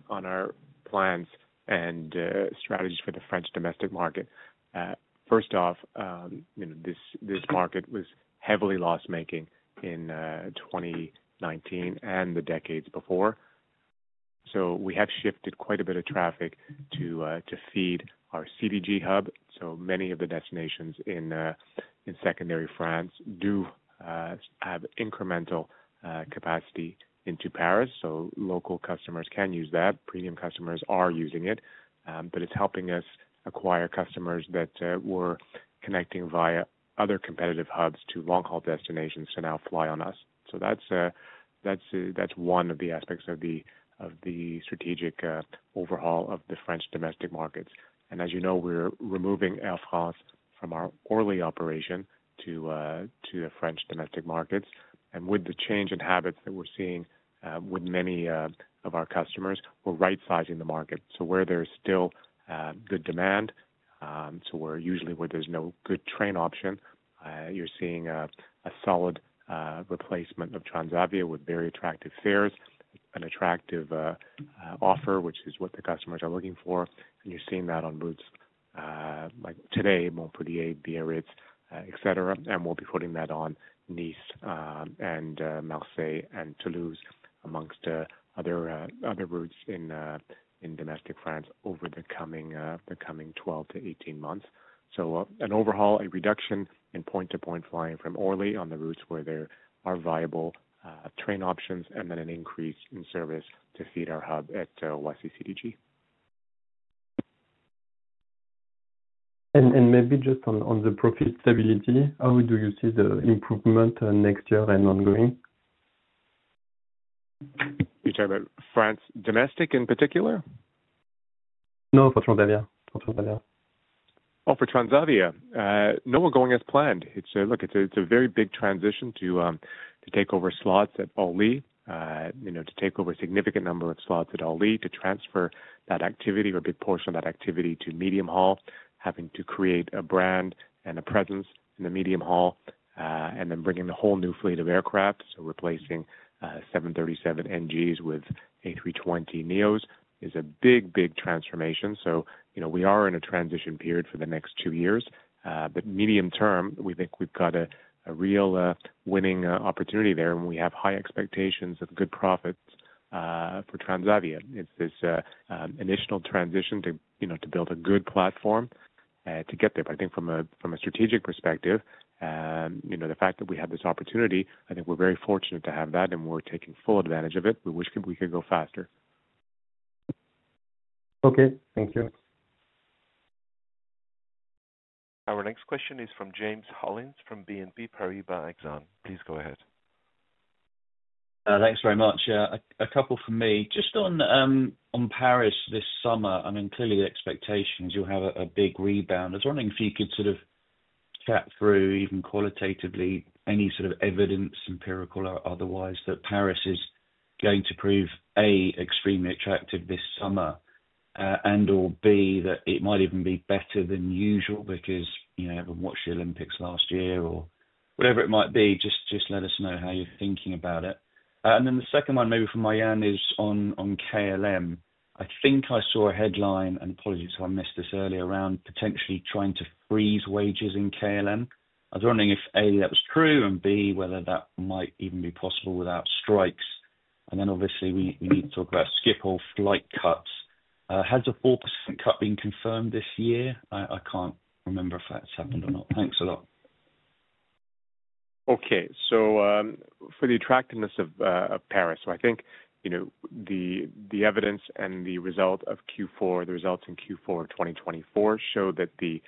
On our plans and strategies for the French domestic market, first off, this market was heavily loss-making in 2019 and the decades before. We have shifted quite a bit of traffic to feed our CDG hub. Many of the destinations in secondary France do have incremental capacity into Paris. Local customers can use that. Premium customers are using it. But it's helping us acquire customers that were connecting via other competitive hubs to long-haul destinations to now fly on us. That's one of the aspects of the strategic overhaul of the French domestic markets. As you know, we're removing Air France from our Orly operation to the French domestic markets. With the change in habits that we're seeing with many of our customers, we're right-sizing the market. Where there's still good demand, usually where there's no good train option, you're seeing a solid replacement with Transavia with very attractive fares, an attractive offer, which is what the customers are looking for. You're seeing that on routes like today, Montpellier, Biarritz, etc. We'll be putting that on Nice and Marseille and Toulouse, among other routes in domestic France over the coming 12-18 months. An overhaul, a reduction in point-to-point flying from Orly on the routes where there are viable train options, and then an increase in service to feed our hub at CDG. Maybe just on the profitability, how do you see the improvement next year and ongoing? You're talking about France domestic in particular? No, for Transavia. Oh, for Transavia. No, we're going as planned. Look, it's a very big transition to take over slots at Orly, to take over a significant number of slots at Orly, to transfer that activity or a big portion of that activity to medium-haul, having to create a brand and a presence in the medium-haul, and then bringing a whole new fleet of aircraft. So replacing 737NGs with A320neos is a big, big transformation. So we are in a transition period for the next two years. But medium term, we think we've got a real winning opportunity there, and we have high expectations of good profits for Transavia. It's this initial transition to build a good platform to get there. But I think from a strategic perspective, the fact that we have this opportunity, I think we're very fortunate to have that, and we're taking full advantage of it. We wish we could go faster. Okay. Thank you. Our next question is from James Hollins from BNP Paribas Exane. Please go ahead. Thanks very much. A couple for me. Just on Paris this summer, and then clearly the expectations, you'll have a big rebound. I was wondering if you could sort of chat through, even qualitatively, any sort of evidence, empirical or otherwise, that Paris is going to prove, A, extremely attractive this summer, and/or B, that it might even be better than usual because you haven't watched the Olympics last year or whatever it might be. Just let us know how you're thinking about it. And then the second one, maybe from Anne, is on KLM. I think I saw a headline, and apologies if I missed this earlier, around potentially trying to freeze wages in KLM. I was wondering if, A, that was true, and B, whether that might even be possible without strikes. And then, obviously, we need to talk about Schiphol flight cuts. Has a 4% cut been confirmed this year? I can't remember if that's happened or not. Thanks a lot. Okay. So for the attractiveness of Paris, I think the evidence and the result of Q4, the results in Q4 of 2024, showed that the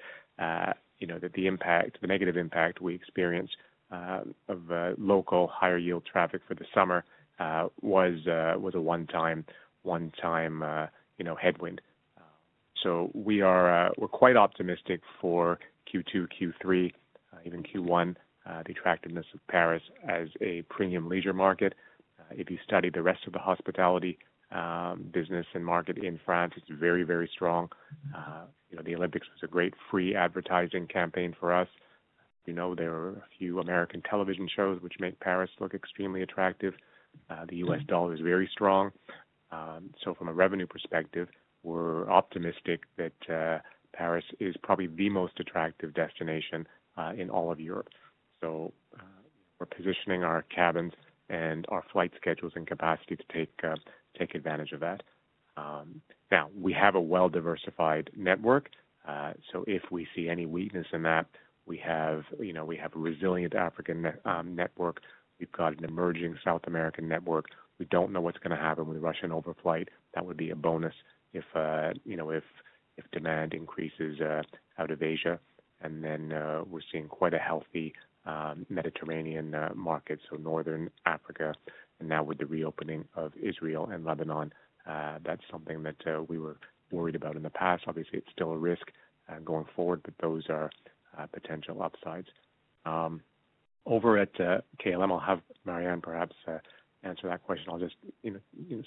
impact, the negative impact we experience of local higher yield traffic for the summer was a one-time headwind. So we're quite optimistic for Q2, Q3, even Q1, the attractiveness of Paris as a premium leisure market. If you study the rest of the hospitality business and market in France, it's very, very strong. The Olympics was a great free advertising campaign for us. There are a few American television shows which make Paris look extremely attractive. The U.S. dollar is very strong. So from a revenue perspective, we're optimistic that Paris is probably the most attractive destination in all of Europe. So we're positioning our cabins and our flight schedules and capacity to take advantage of that. Now, we have a well-diversified network. So if we see any weakness in that, we have a resilient African network. We've got an emerging South American network. We don't know what's going to happen with Russian overflight. That would be a bonus if demand increases out of Asia. And then we're seeing quite a healthy Mediterranean market, so Northern Africa. And now with the reopening of Israel and Lebanon, that's something that we were worried about in the past. Obviously, it's still a risk going forward, but those are potential upsides. Over at KLM, I'll have Marjan perhaps answer that question. I'll just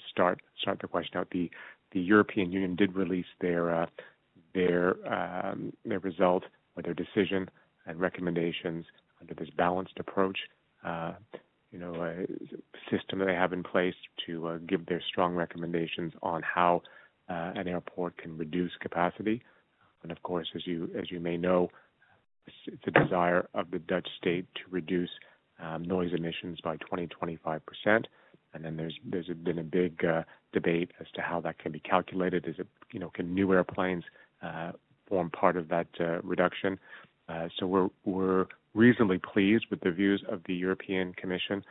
start the question out. The European Union did release their result or their decision and recommendations under this Balanced Approach system that they have in place to give their strong recommendations on how an airport can reduce capacity. And of course, as you may know, it's a desire of the Dutch state to reduce noise emissions by 20%-25%. And then there's been a big debate as to how that can be calculated. Can new airplanes form part of that reduction. So we're reasonably pleased with the views of the European Commission.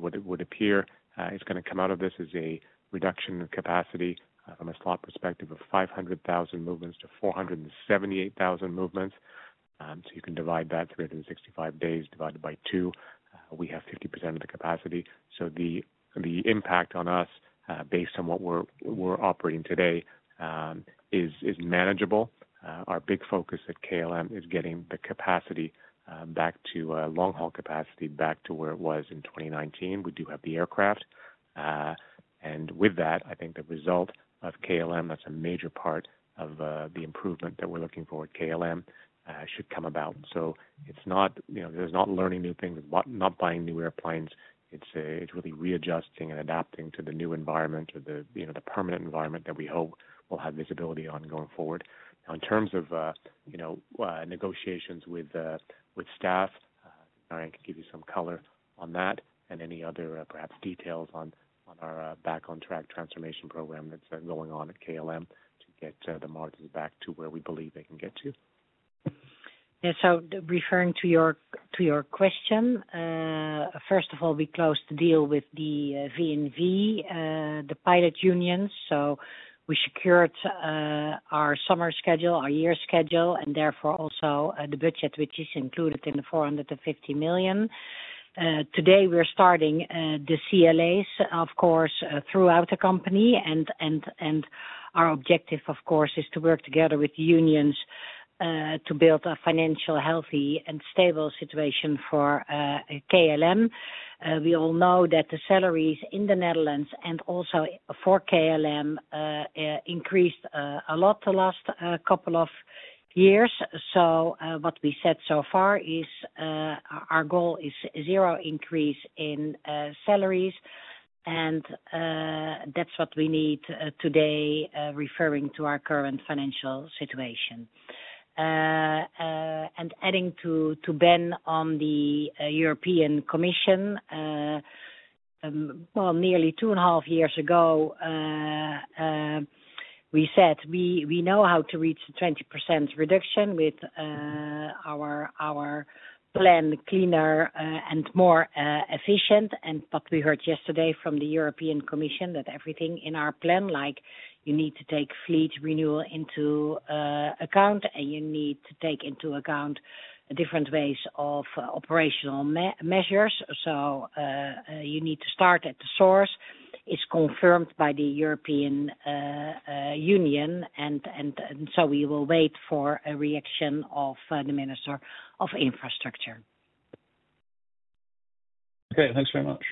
What would appear is going to come out of this is a reduction in capacity from a slot perspective of 500,000-478,000 movements. So you can divide that 365 days divided by 2. We have 50% of the capacity. So the impact on us, based on what we're operating today, is manageable. Our big focus at KLM is getting the capacity back to long-haul capacity back to where it was in 2019. We do have the aircraft. And with that, I think the result of KLM, that's a major part of the improvement that we're looking for at KLM, should come about. So it's not learning new things, not buying new airplanes. It's really readjusting and adapting to the new environment or the permanent environment that we hope will have visibility on going forward. Now, in terms of negotiations with staff, Marjan can give you some color on that and any other perhaps details on our Back on Track transformation program that's going on at KLM to get the margins back to where we believe they can get to. Yeah. So referring to your question, first of all, we closed the deal with the VNV, the pilot unions. We secured our summer schedule, our year schedule, and therefore also the budget, which is included in the 450 million. Today, we're starting the CLAs, of course, throughout the company. And our objective, of course, is to work together with unions to build a financial, healthy, and stable situation for KLM. We all know that the salaries in the Netherlands and also for KLM increased a lot the last couple of years. So what we said so far is our goal is zero increase in salaries. And that's what we need today, referring to our current financial situation. And adding to Ben on the European Commission, well, nearly two and a half years ago, we said we know how to reach the 20% reduction with our plan, cleaner and more efficient. And what we heard yesterday from the European Commission, that everything in our plan, like you need to take fleet renewal into account, and you need to take into account different ways of operational measures. So you need to start at the source. It's confirmed by the European Union. And so we will wait for a reaction of the Minister of Infrastructure. Okay. Thanks very much.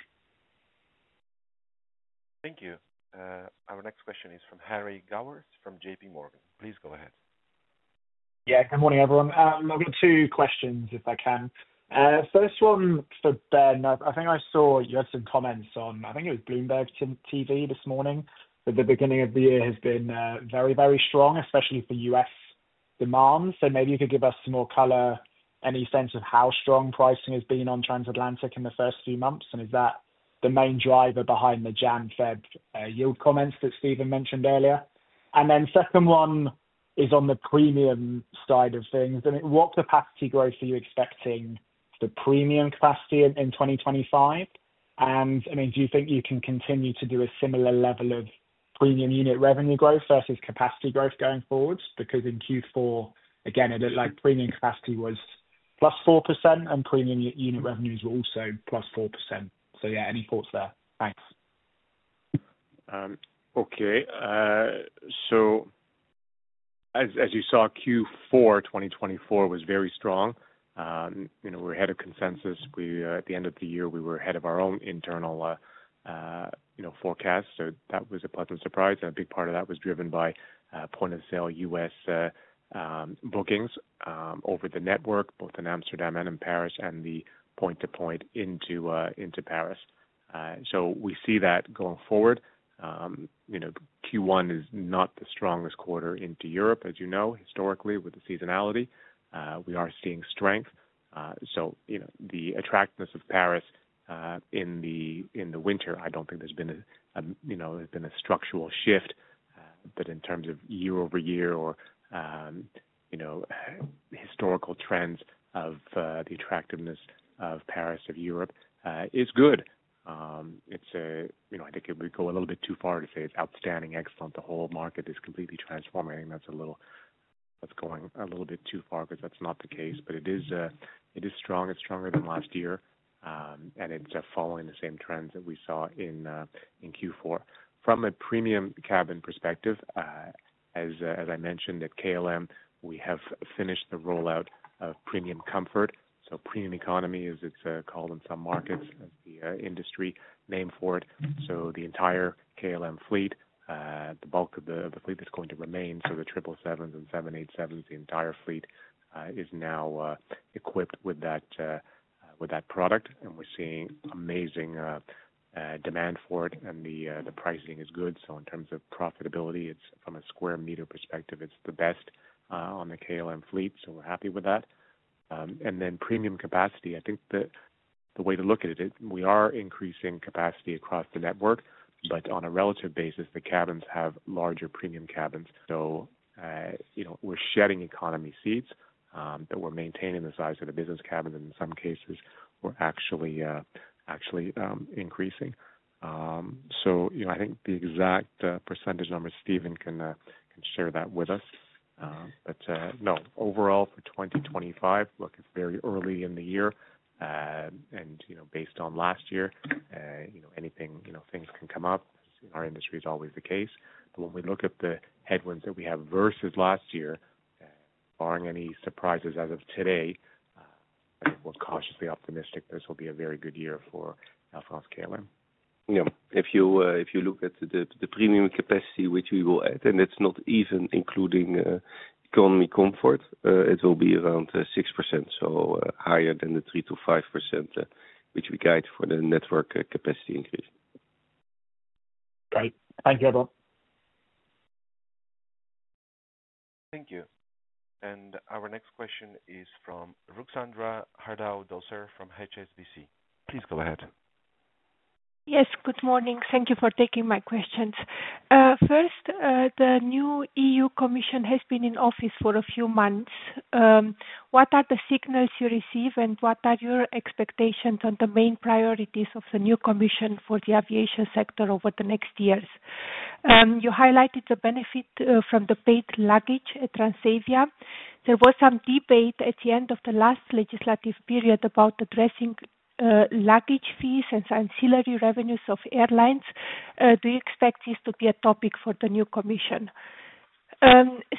Thank you. Our next question is from Harry Gowers from JPMorgan. Please go ahead. Yeah. Good morning, everyone. I've got two questions, if I can. First one for Ben. I think I saw you had some comments on, I think it was Bloomberg TV this morning, that the beginning of the year has been very, very strong, especially for U.S. demand. So maybe you could give us some more color, any sense of how strong pricing has been on transatlantic in the first few months. And is that the main driver behind the January-February yield comments that Steven mentioned earlier? And then second one is on the premium side of things. I mean, what capacity growth are you expecting for the premium capacity in 2025? And I mean, do you think you can continue to do a similar level of premium unit revenue growth versus capacity growth going forward? Because in Q4, again, it looked like premium capacity was +4%, and premium unit revenues were also +4%. So yeah, any thoughts there? Thanks. Okay. So as you saw, Q4 2024 was very strong. We're ahead of consensus. At the end of the year, we were ahead of our own internal forecast. So that was a pleasant surprise. A big part of that was driven by point-of-sale US bookings over the network, both in Amsterdam and in Paris and the point-to-point into Paris. We see that going forward. Q1 is not the strongest quarter into Europe, as you know, historically, with the seasonality. We are seeing strength. The attractiveness of Paris in the winter, I don't think there's been a structural shift. In terms of year-over-year or historical trends of the attractiveness of Paris of Europe is good. I think it would go a little bit too far to say it's outstanding, excellent. The whole market is completely transforming. I think that's a little bit too far because that's not the case. It is strong. It's stronger than last year. It's following the same trends that we saw in Q4. From a premium cabin perspective, as I mentioned at KLM, we have finished the rollout of Premium Comfort, so premium economy is its call in some markets, the industry name for it, so the entire KLM fleet, the bulk of the fleet that's going to remain, so the 777s and 787s, the entire fleet is now equipped with that product, and we're seeing amazing demand for it, and the pricing is good, so in terms of profitability, from a square meter perspective, it's the best on the KLM fleet, so we're happy with that, and then premium capacity, I think the way to look at it, we are increasing capacity across the network, but on a relative basis, the cabins have larger premium cabins, so we're shedding economy seats, but we're maintaining the size of the business cabin, and in some cases, we're actually increasing. So, I think the exact percentage numbers Steven can share that with us. But no, overall for 2025, look, it's very early in the year. And based on last year, anything, things can come up. In our industry, it's always the case. But when we look at the headwinds that we have versus last year, barring any surprises as of today, I think we're cautiously optimistic this will be a very good year for KLM. If you look at the premium capacity, which we will add, and it's not even including Economy Comfort, it will be around 6%, so higher than the 3%-5% which we guide for the network capacity increase. Okay. Thank you, everyone. Thank you. And our next question is from Ruxandra Haradau-Döser from HSBC. Please go ahead. Yes. Good morning. Thank you for taking my questions. First, the new EU Commission has been in office for a few months. What are the signals you receive, and what are your expectations on the main priorities of the new Commission for the aviation sector over the next years? You highlighted the benefit from the paid luggage at Transavia. There was some debate at the end of the last legislative period about addressing luggage fees and ancillary revenues of airlines. Do you expect this to be a topic for the new Commission?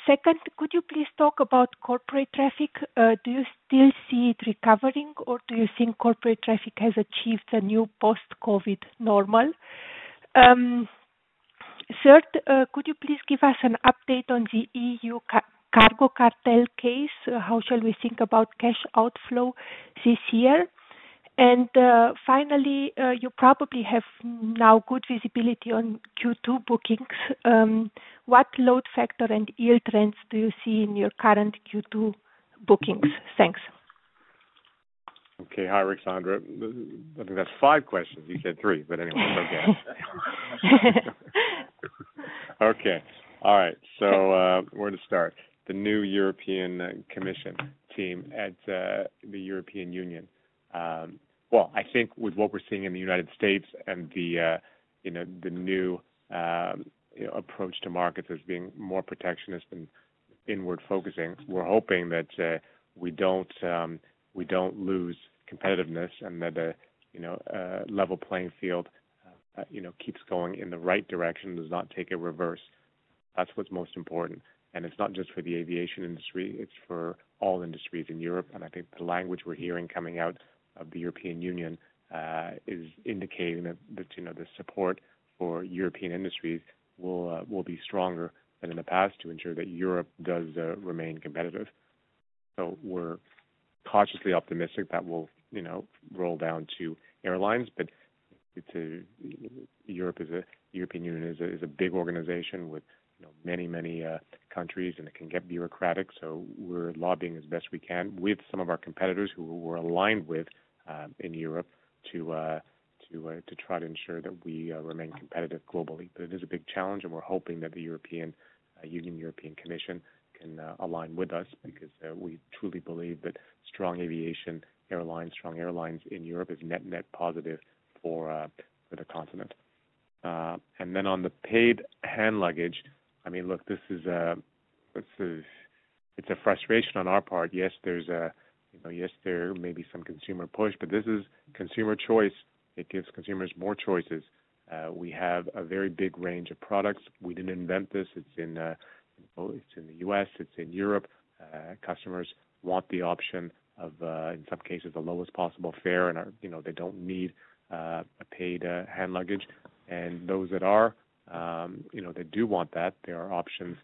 Second, could you please talk about corporate traffic? Do you still see it recovering, or do you think corporate traffic has achieved a new post-COVID normal? Third, could you please give us an update on the EU cargo cartel case? How shall we think about cash outflow this year? And finally, you probably have now good visibility on Q2 bookings. What load factor and yield trends do you see in your current Q2 bookings? Thanks. Okay. Hi, Ruxandra. I think that's five questions. You said three, but anyway, it's okay. Okay. All right. So where to start? The new European Commission team at the European Union. Well, I think with what we're seeing in the United States and the new approach to markets as being more protectionist and inward-focusing, we're hoping that we don't lose competitiveness and that the level playing field keeps going in the right direction, does not take a reverse. That's what's most important. And it's not just for the aviation industry. It's for all industries in Europe. And I think the language we're hearing coming out of the European Union is indicating that the support for European industries will be stronger than in the past to ensure that Europe does remain competitive. We're cautiously optimistic that will roll down to airlines, but Europe, the European Union, is a big organization with many, many countries, and it can get bureaucratic. We're lobbying as best we can with some of our competitors who we're aligned with in Europe to try to ensure that we remain competitive globally. It is a big challenge, and we're hoping that the European Union, European Commission can align with us because we truly believe that strong airlines in Europe is net-net positive for the continent. Then on the paid hand luggage, I mean, look, it's a frustration on our part. Yes, there may be some consumer push, but this is consumer choice. It gives consumers more choices. We have a very big range of products. We didn't invent this. It's in the U.S. It's in Europe. Customers want the option of, in some cases, the lowest possible fare, and they don't need a paid hand luggage. And those that are, they do want that. There are options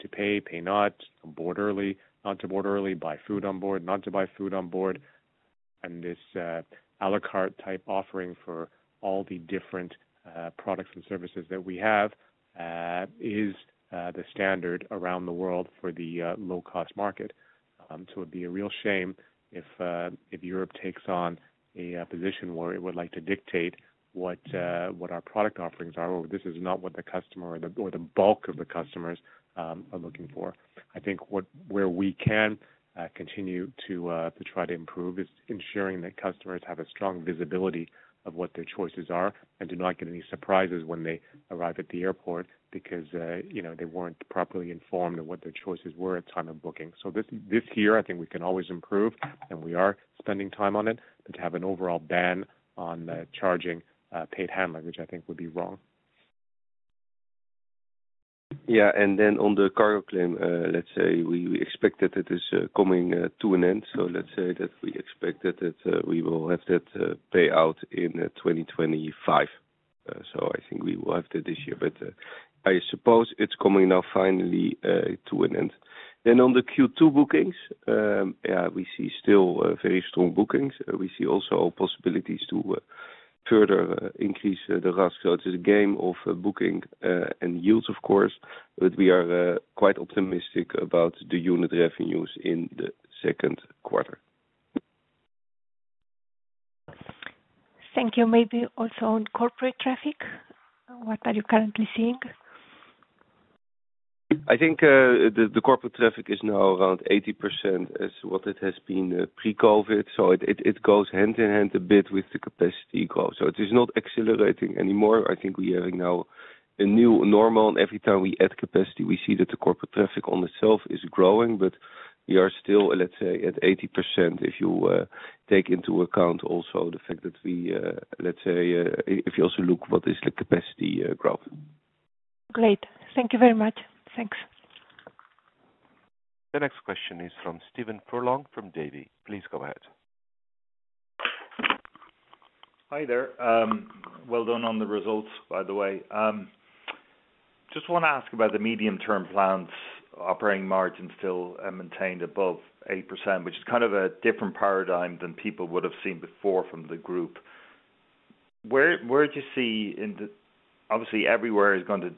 to pay, pay not, onboard early, not to board early, buy food onboard, not to buy food onboard. And this à la carte type offering for all the different products and services that we have is the standard around the world for the low-cost market. So it would be a real shame if Europe takes on a position where it would like to dictate what our product offerings are, or this is not what the customer or the bulk of the customers are looking for. I think where we can continue to try to improve is ensuring that customers have a strong visibility of what their choices are and do not get any surprises when they arrive at the airport because they weren't properly informed of what their choices were at the time of booking, so this year, I think we can always improve, and we are spending time on it, but to have an overall ban on charging paid hand luggage, I think would be wrong. Yeah, and then on the cargo claim, let's say we expect that it is coming to an end, so let's say that we expect that we will have that payout in 2025, so I think we will have that this year, but I suppose it's coming now finally to an end, then on the Q2 bookings, yeah, we see still very strong bookings. We see also possibilities to further increase the RASK. So it's a game of booking and yields, of course. But we are quite optimistic about the unit revenues in the second quarter. Thank you. Maybe also on corporate traffic, what are you currently seeing? I think the corporate traffic is now around 80% as what it has been pre-COVID. So it goes hand in hand a bit with the capacity growth. So it is not accelerating anymore. I think we are now a new normal. And every time we add capacity, we see that the corporate traffic on itself is growing. But we are still, let's say, at 80% if you take into account also the fact that we, let's say, if you also look what is the capacity growth. Great. Thank you very much. Thanks. The next question is from Stephen Furlong from Davy. Please go ahead. Hi there. Well done on the results, by the way. Just want to ask about the medium-term plans. Operating margin still maintained above 8%, which is kind of a different paradigm than people would have seen before from the group. Where do you see in the obviously, everywhere is going to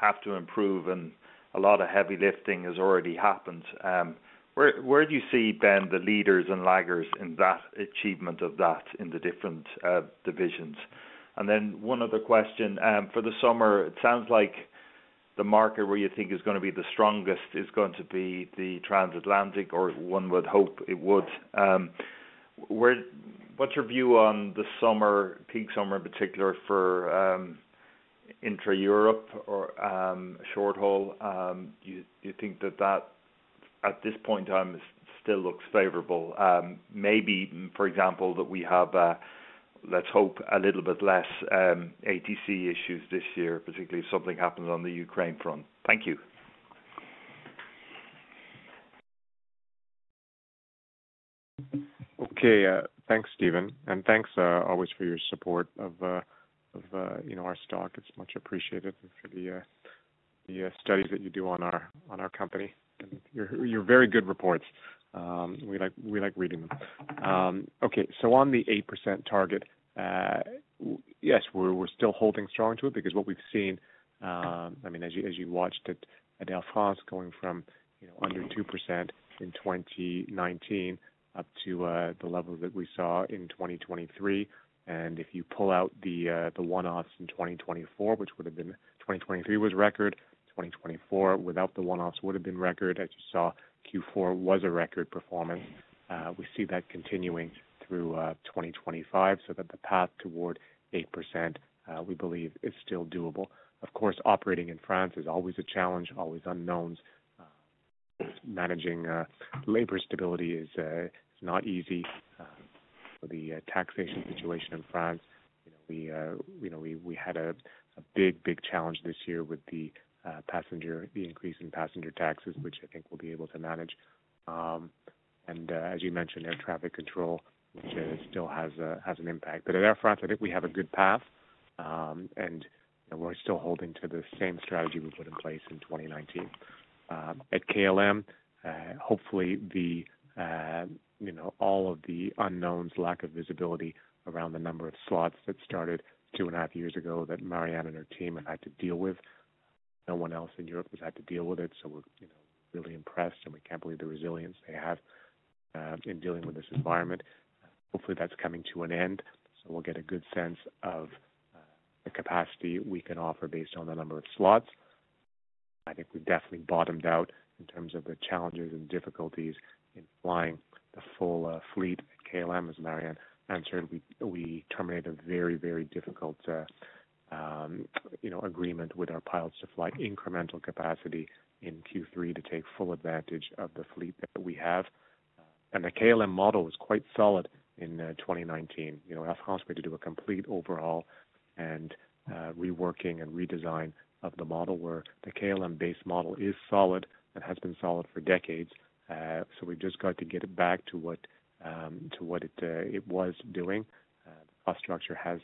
have to improve, and a lot of heavy lifting has already happened. Where do you see then the leaders and laggards in that achievement of that in the different divisions? And then one other question. For the summer, it sounds like the market where you think is going to be the strongest is going to be the Transatlantic, or one would hope it would. What's your view on the summer, peak summer in particular for intra-Europe or short haul? You think that at this point in time still looks favorable? Maybe, for example, that we have, let's hope, a little bit less ATC issues this year, particularly if something happens on the Ukraine front. Thank you. Okay. Thanks, Stephen. And thanks always for your support of our stock. It's much appreciated for the studies that you do on our company and your very good reports. We like reading them. Okay. So on the 8% target, yes, we're still holding strong to it because what we've seen, I mean, as you watched at Air France going from under 2% in 2019 up to the level that we saw in 2023. And if you pull out the one-offs in 2024, which would have been 2023 was record, 2024 without the one-offs would have been record. As you saw, Q4 was a record performance. We see that continuing through 2025 so that the path toward 8%, we believe, is still doable. Of course, operating in France is always a challenge, always unknowns. Managing labor stability is not easy. The taxation situation in France, we had a big, big challenge this year with the increase in passenger taxes, which I think we'll be able to manage. As you mentioned, air traffic control, which still has an impact. But at Air France, I think we have a good path. We're still holding to the same strategy we put in place in 2019. At KLM, hopefully, all of the unknowns, lack of visibility around the number of slots that started two and a half years ago that Marjan and her team have had to deal with. No one else in Europe has had to deal with it. So we're really impressed, and we can't believe the resilience they have in dealing with this environment. Hopefully, that's coming to an end. We'll get a good sense of the capacity we can offer based on the number of slots. I think we've definitely bottomed out in terms of the challenges and difficulties in flying the full fleet at KLM, as Marjan answered. We terminated a very, very difficult agreement with our pilots to fly incremental capacity in Q3 to take full advantage of the fleet that we have. And the KLM model was quite solid in 2019. Air France went to do a complete overhaul and reworking and redesign of the model where the KLM-based model is solid and has been solid for decades. So we just got to get it back to what it was doing. The cost structure has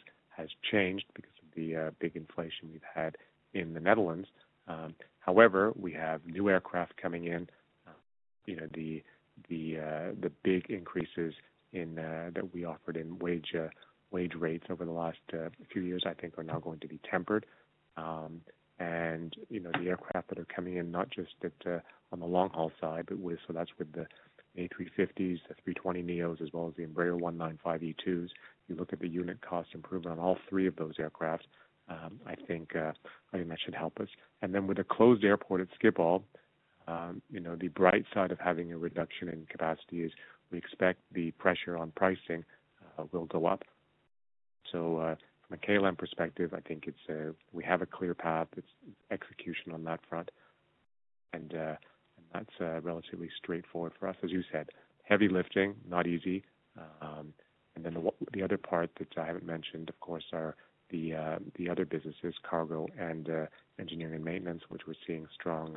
changed because of the big inflation we've had in the Netherlands. However, we have new aircraft coming in. The big increases that we offered in wage rates over the last few years, I think, are now going to be tempered, and the aircraft that are coming in, not just on the long-haul side, but so that's with the A350s, the A320neos, as well as the Embraer 195-E2s. You look at the unit cost improvement on all three of those aircrafts, I think that should help us, and then with a closed airport at Schiphol, the bright side of having a reduction in capacity is we expect the pressure on pricing will go up, so from a KLM perspective, I think we have a clear path. It's execution on that front, and that's relatively straightforward for us, as you said. Heavy lifting, not easy. Then the other part that I haven't mentioned, of course, are the other businesses, cargo and engineering and maintenance, which we're seeing strong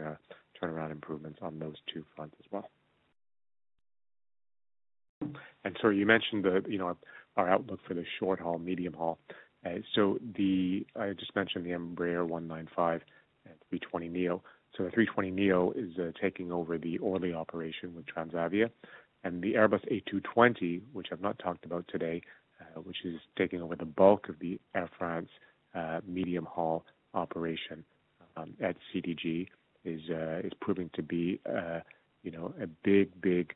turnaround improvements on those two fronts as well. And sorry, you mentioned our outlook for the short haul, medium haul. So I just mentioned the Embraer 195 and 320neo. So the 320neo is taking over the Orly operation with Transavia. And the Airbus A220, which I've not talked about today, which is taking over the bulk of the Air France medium-haul operation at CDG, is proving to be a big, big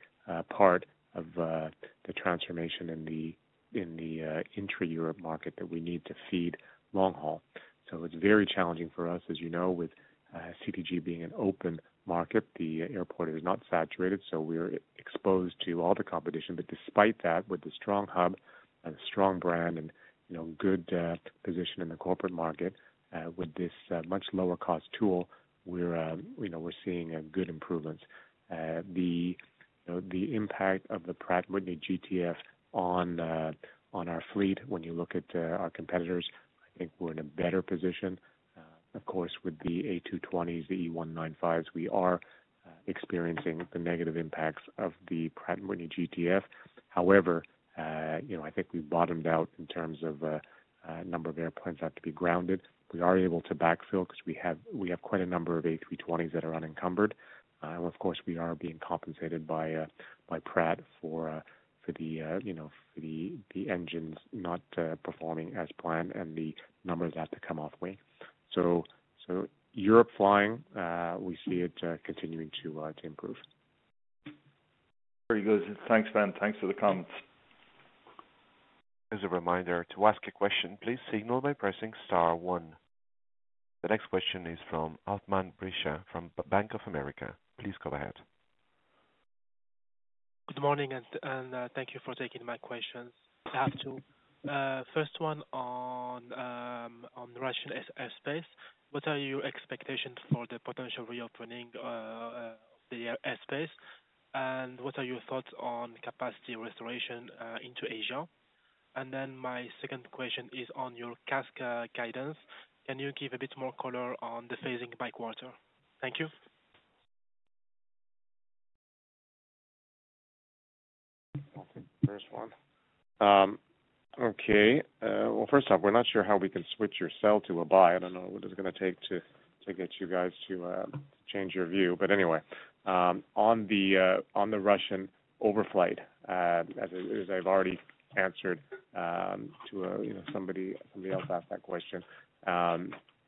part of the transformation in the intra-Europe market that we need to feed long-haul. So it's very challenging for us, as you know, with CDG being an open market. The airport is not saturated, so we're exposed to all the competition. But despite that, with the strong hub and the strong brand and good position in the corporate market, with this much lower-cost tool, we're seeing good improvements. The impact of the Pratt & Whitney GTF on our fleet, when you look at our competitors, I think we're in a better position. Of course, with the A220s, the E195s, we are experiencing the negative impacts of the Pratt & Whitney GTF. However, I think we've bottomed out in terms of the number of airplanes that have to be grounded. We are able to backfill because we have quite a number of A320s that are unencumbered. And of course, we are being compensated by Pratt for the engines not performing as planned and the numbers that have to come off wing. So Europe flying, we see it continuing to improve. Very good. Thanks, Ben. Thanks for the comments. As a reminder, to ask a question, please signal by pressing star one. The next question is from Hoffman Brisha from Bank of America. Please go ahead. Good morning, and thank you for taking my questions. I have two. First one on Russian airspace. What are your expectations for the potential reopening of the airspace? And what are your thoughts on capacity restoration into Asia? And then my second question is on your cask guidance. Can you give a bit more color on the phasing by quarter? Thank you. Okay. First one. Okay. Well, first off, we're not sure how we can switch your sell to a buy. I don't know what it's going to take to get you guys to change your view. But anyway, on the Russian overflight, as I've already answered to somebody else asked that question,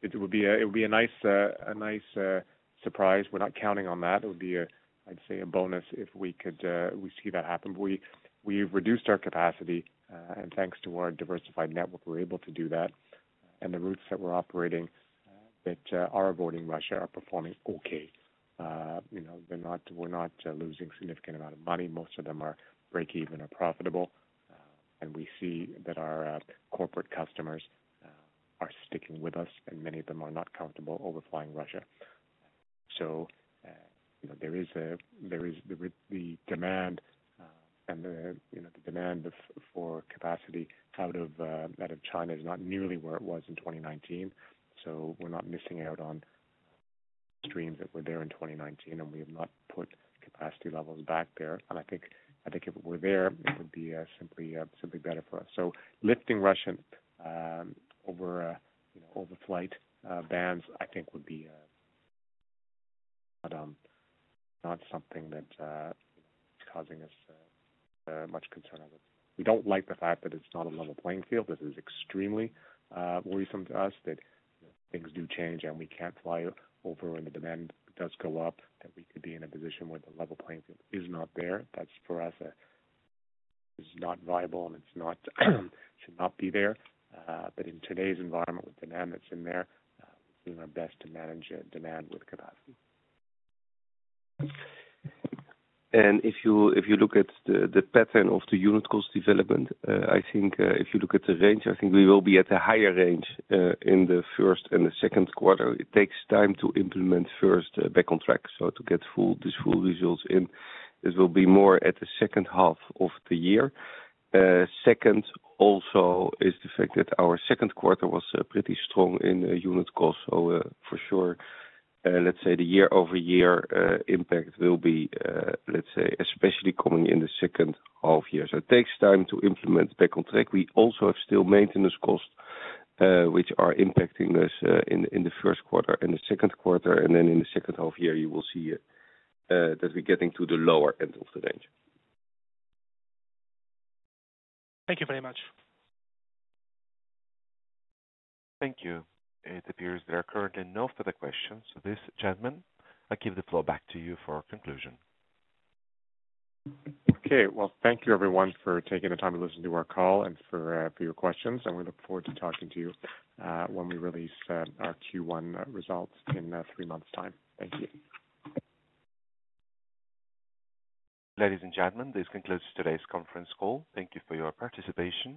it would be a nice surprise. We're not counting on that. It would be, I'd say, a bonus if we see that happen. We've reduced our capacity, and thanks to our diversified network, we're able to do that. And the routes that we're operating that are avoiding Russia are performing okay. We're not losing a significant amount of money. Most of them are break-even or profitable. And we see that our corporate customers are sticking with us, and many of them are not comfortable overflying Russia. So there is the demand, and the demand for capacity out of China is not nearly where it was in 2019. So we're not missing out on streams that were there in 2019, and we have not put capacity levels back there. And I think if we're there, it would be simply better for us. Lifting Russian overflight bans, I think, would not be something that's causing us much concern. We don't like the fact that it's not a level playing field. This is extremely worrisome to us that things do change and we can't fly over when the demand does go up, that we could be in a position where the level playing field is not there. That's for us; it's not viable, and it should not be there. But in today's environment with demand that's in there, we're doing our best to manage demand with capacity. If you look at the pattern of the unit cost development, I think if you look at the range, I think we will be at a higher range in the first and the second quarter. It takes time to implement first Back on Track. So, to get this full results in, this will be more at the second half of the year. Second, also, is the fact that our second quarter was pretty strong in unit cost. So for sure, let's say the year-over-year impact will be, let's say, especially coming in the second half year. So it takes time to implement Back on Track. We also have still maintenance costs, which are impacting us in the first quarter and the second quarter. And then in the second half year, you will see that we're getting to the lower end of the range. Thank you very much. Thank you. It appears there are currently no further questions. So this, gentlemen, I give the floor back to you for conclusion. Okay. Well, thank you, everyone, for taking the time to listen to our call and for your questions. We look forward to talking to you when we release our Q1 results in three months' time. Thank you. Ladies and gentlemen, this concludes today's conference call. Thank you for your participation.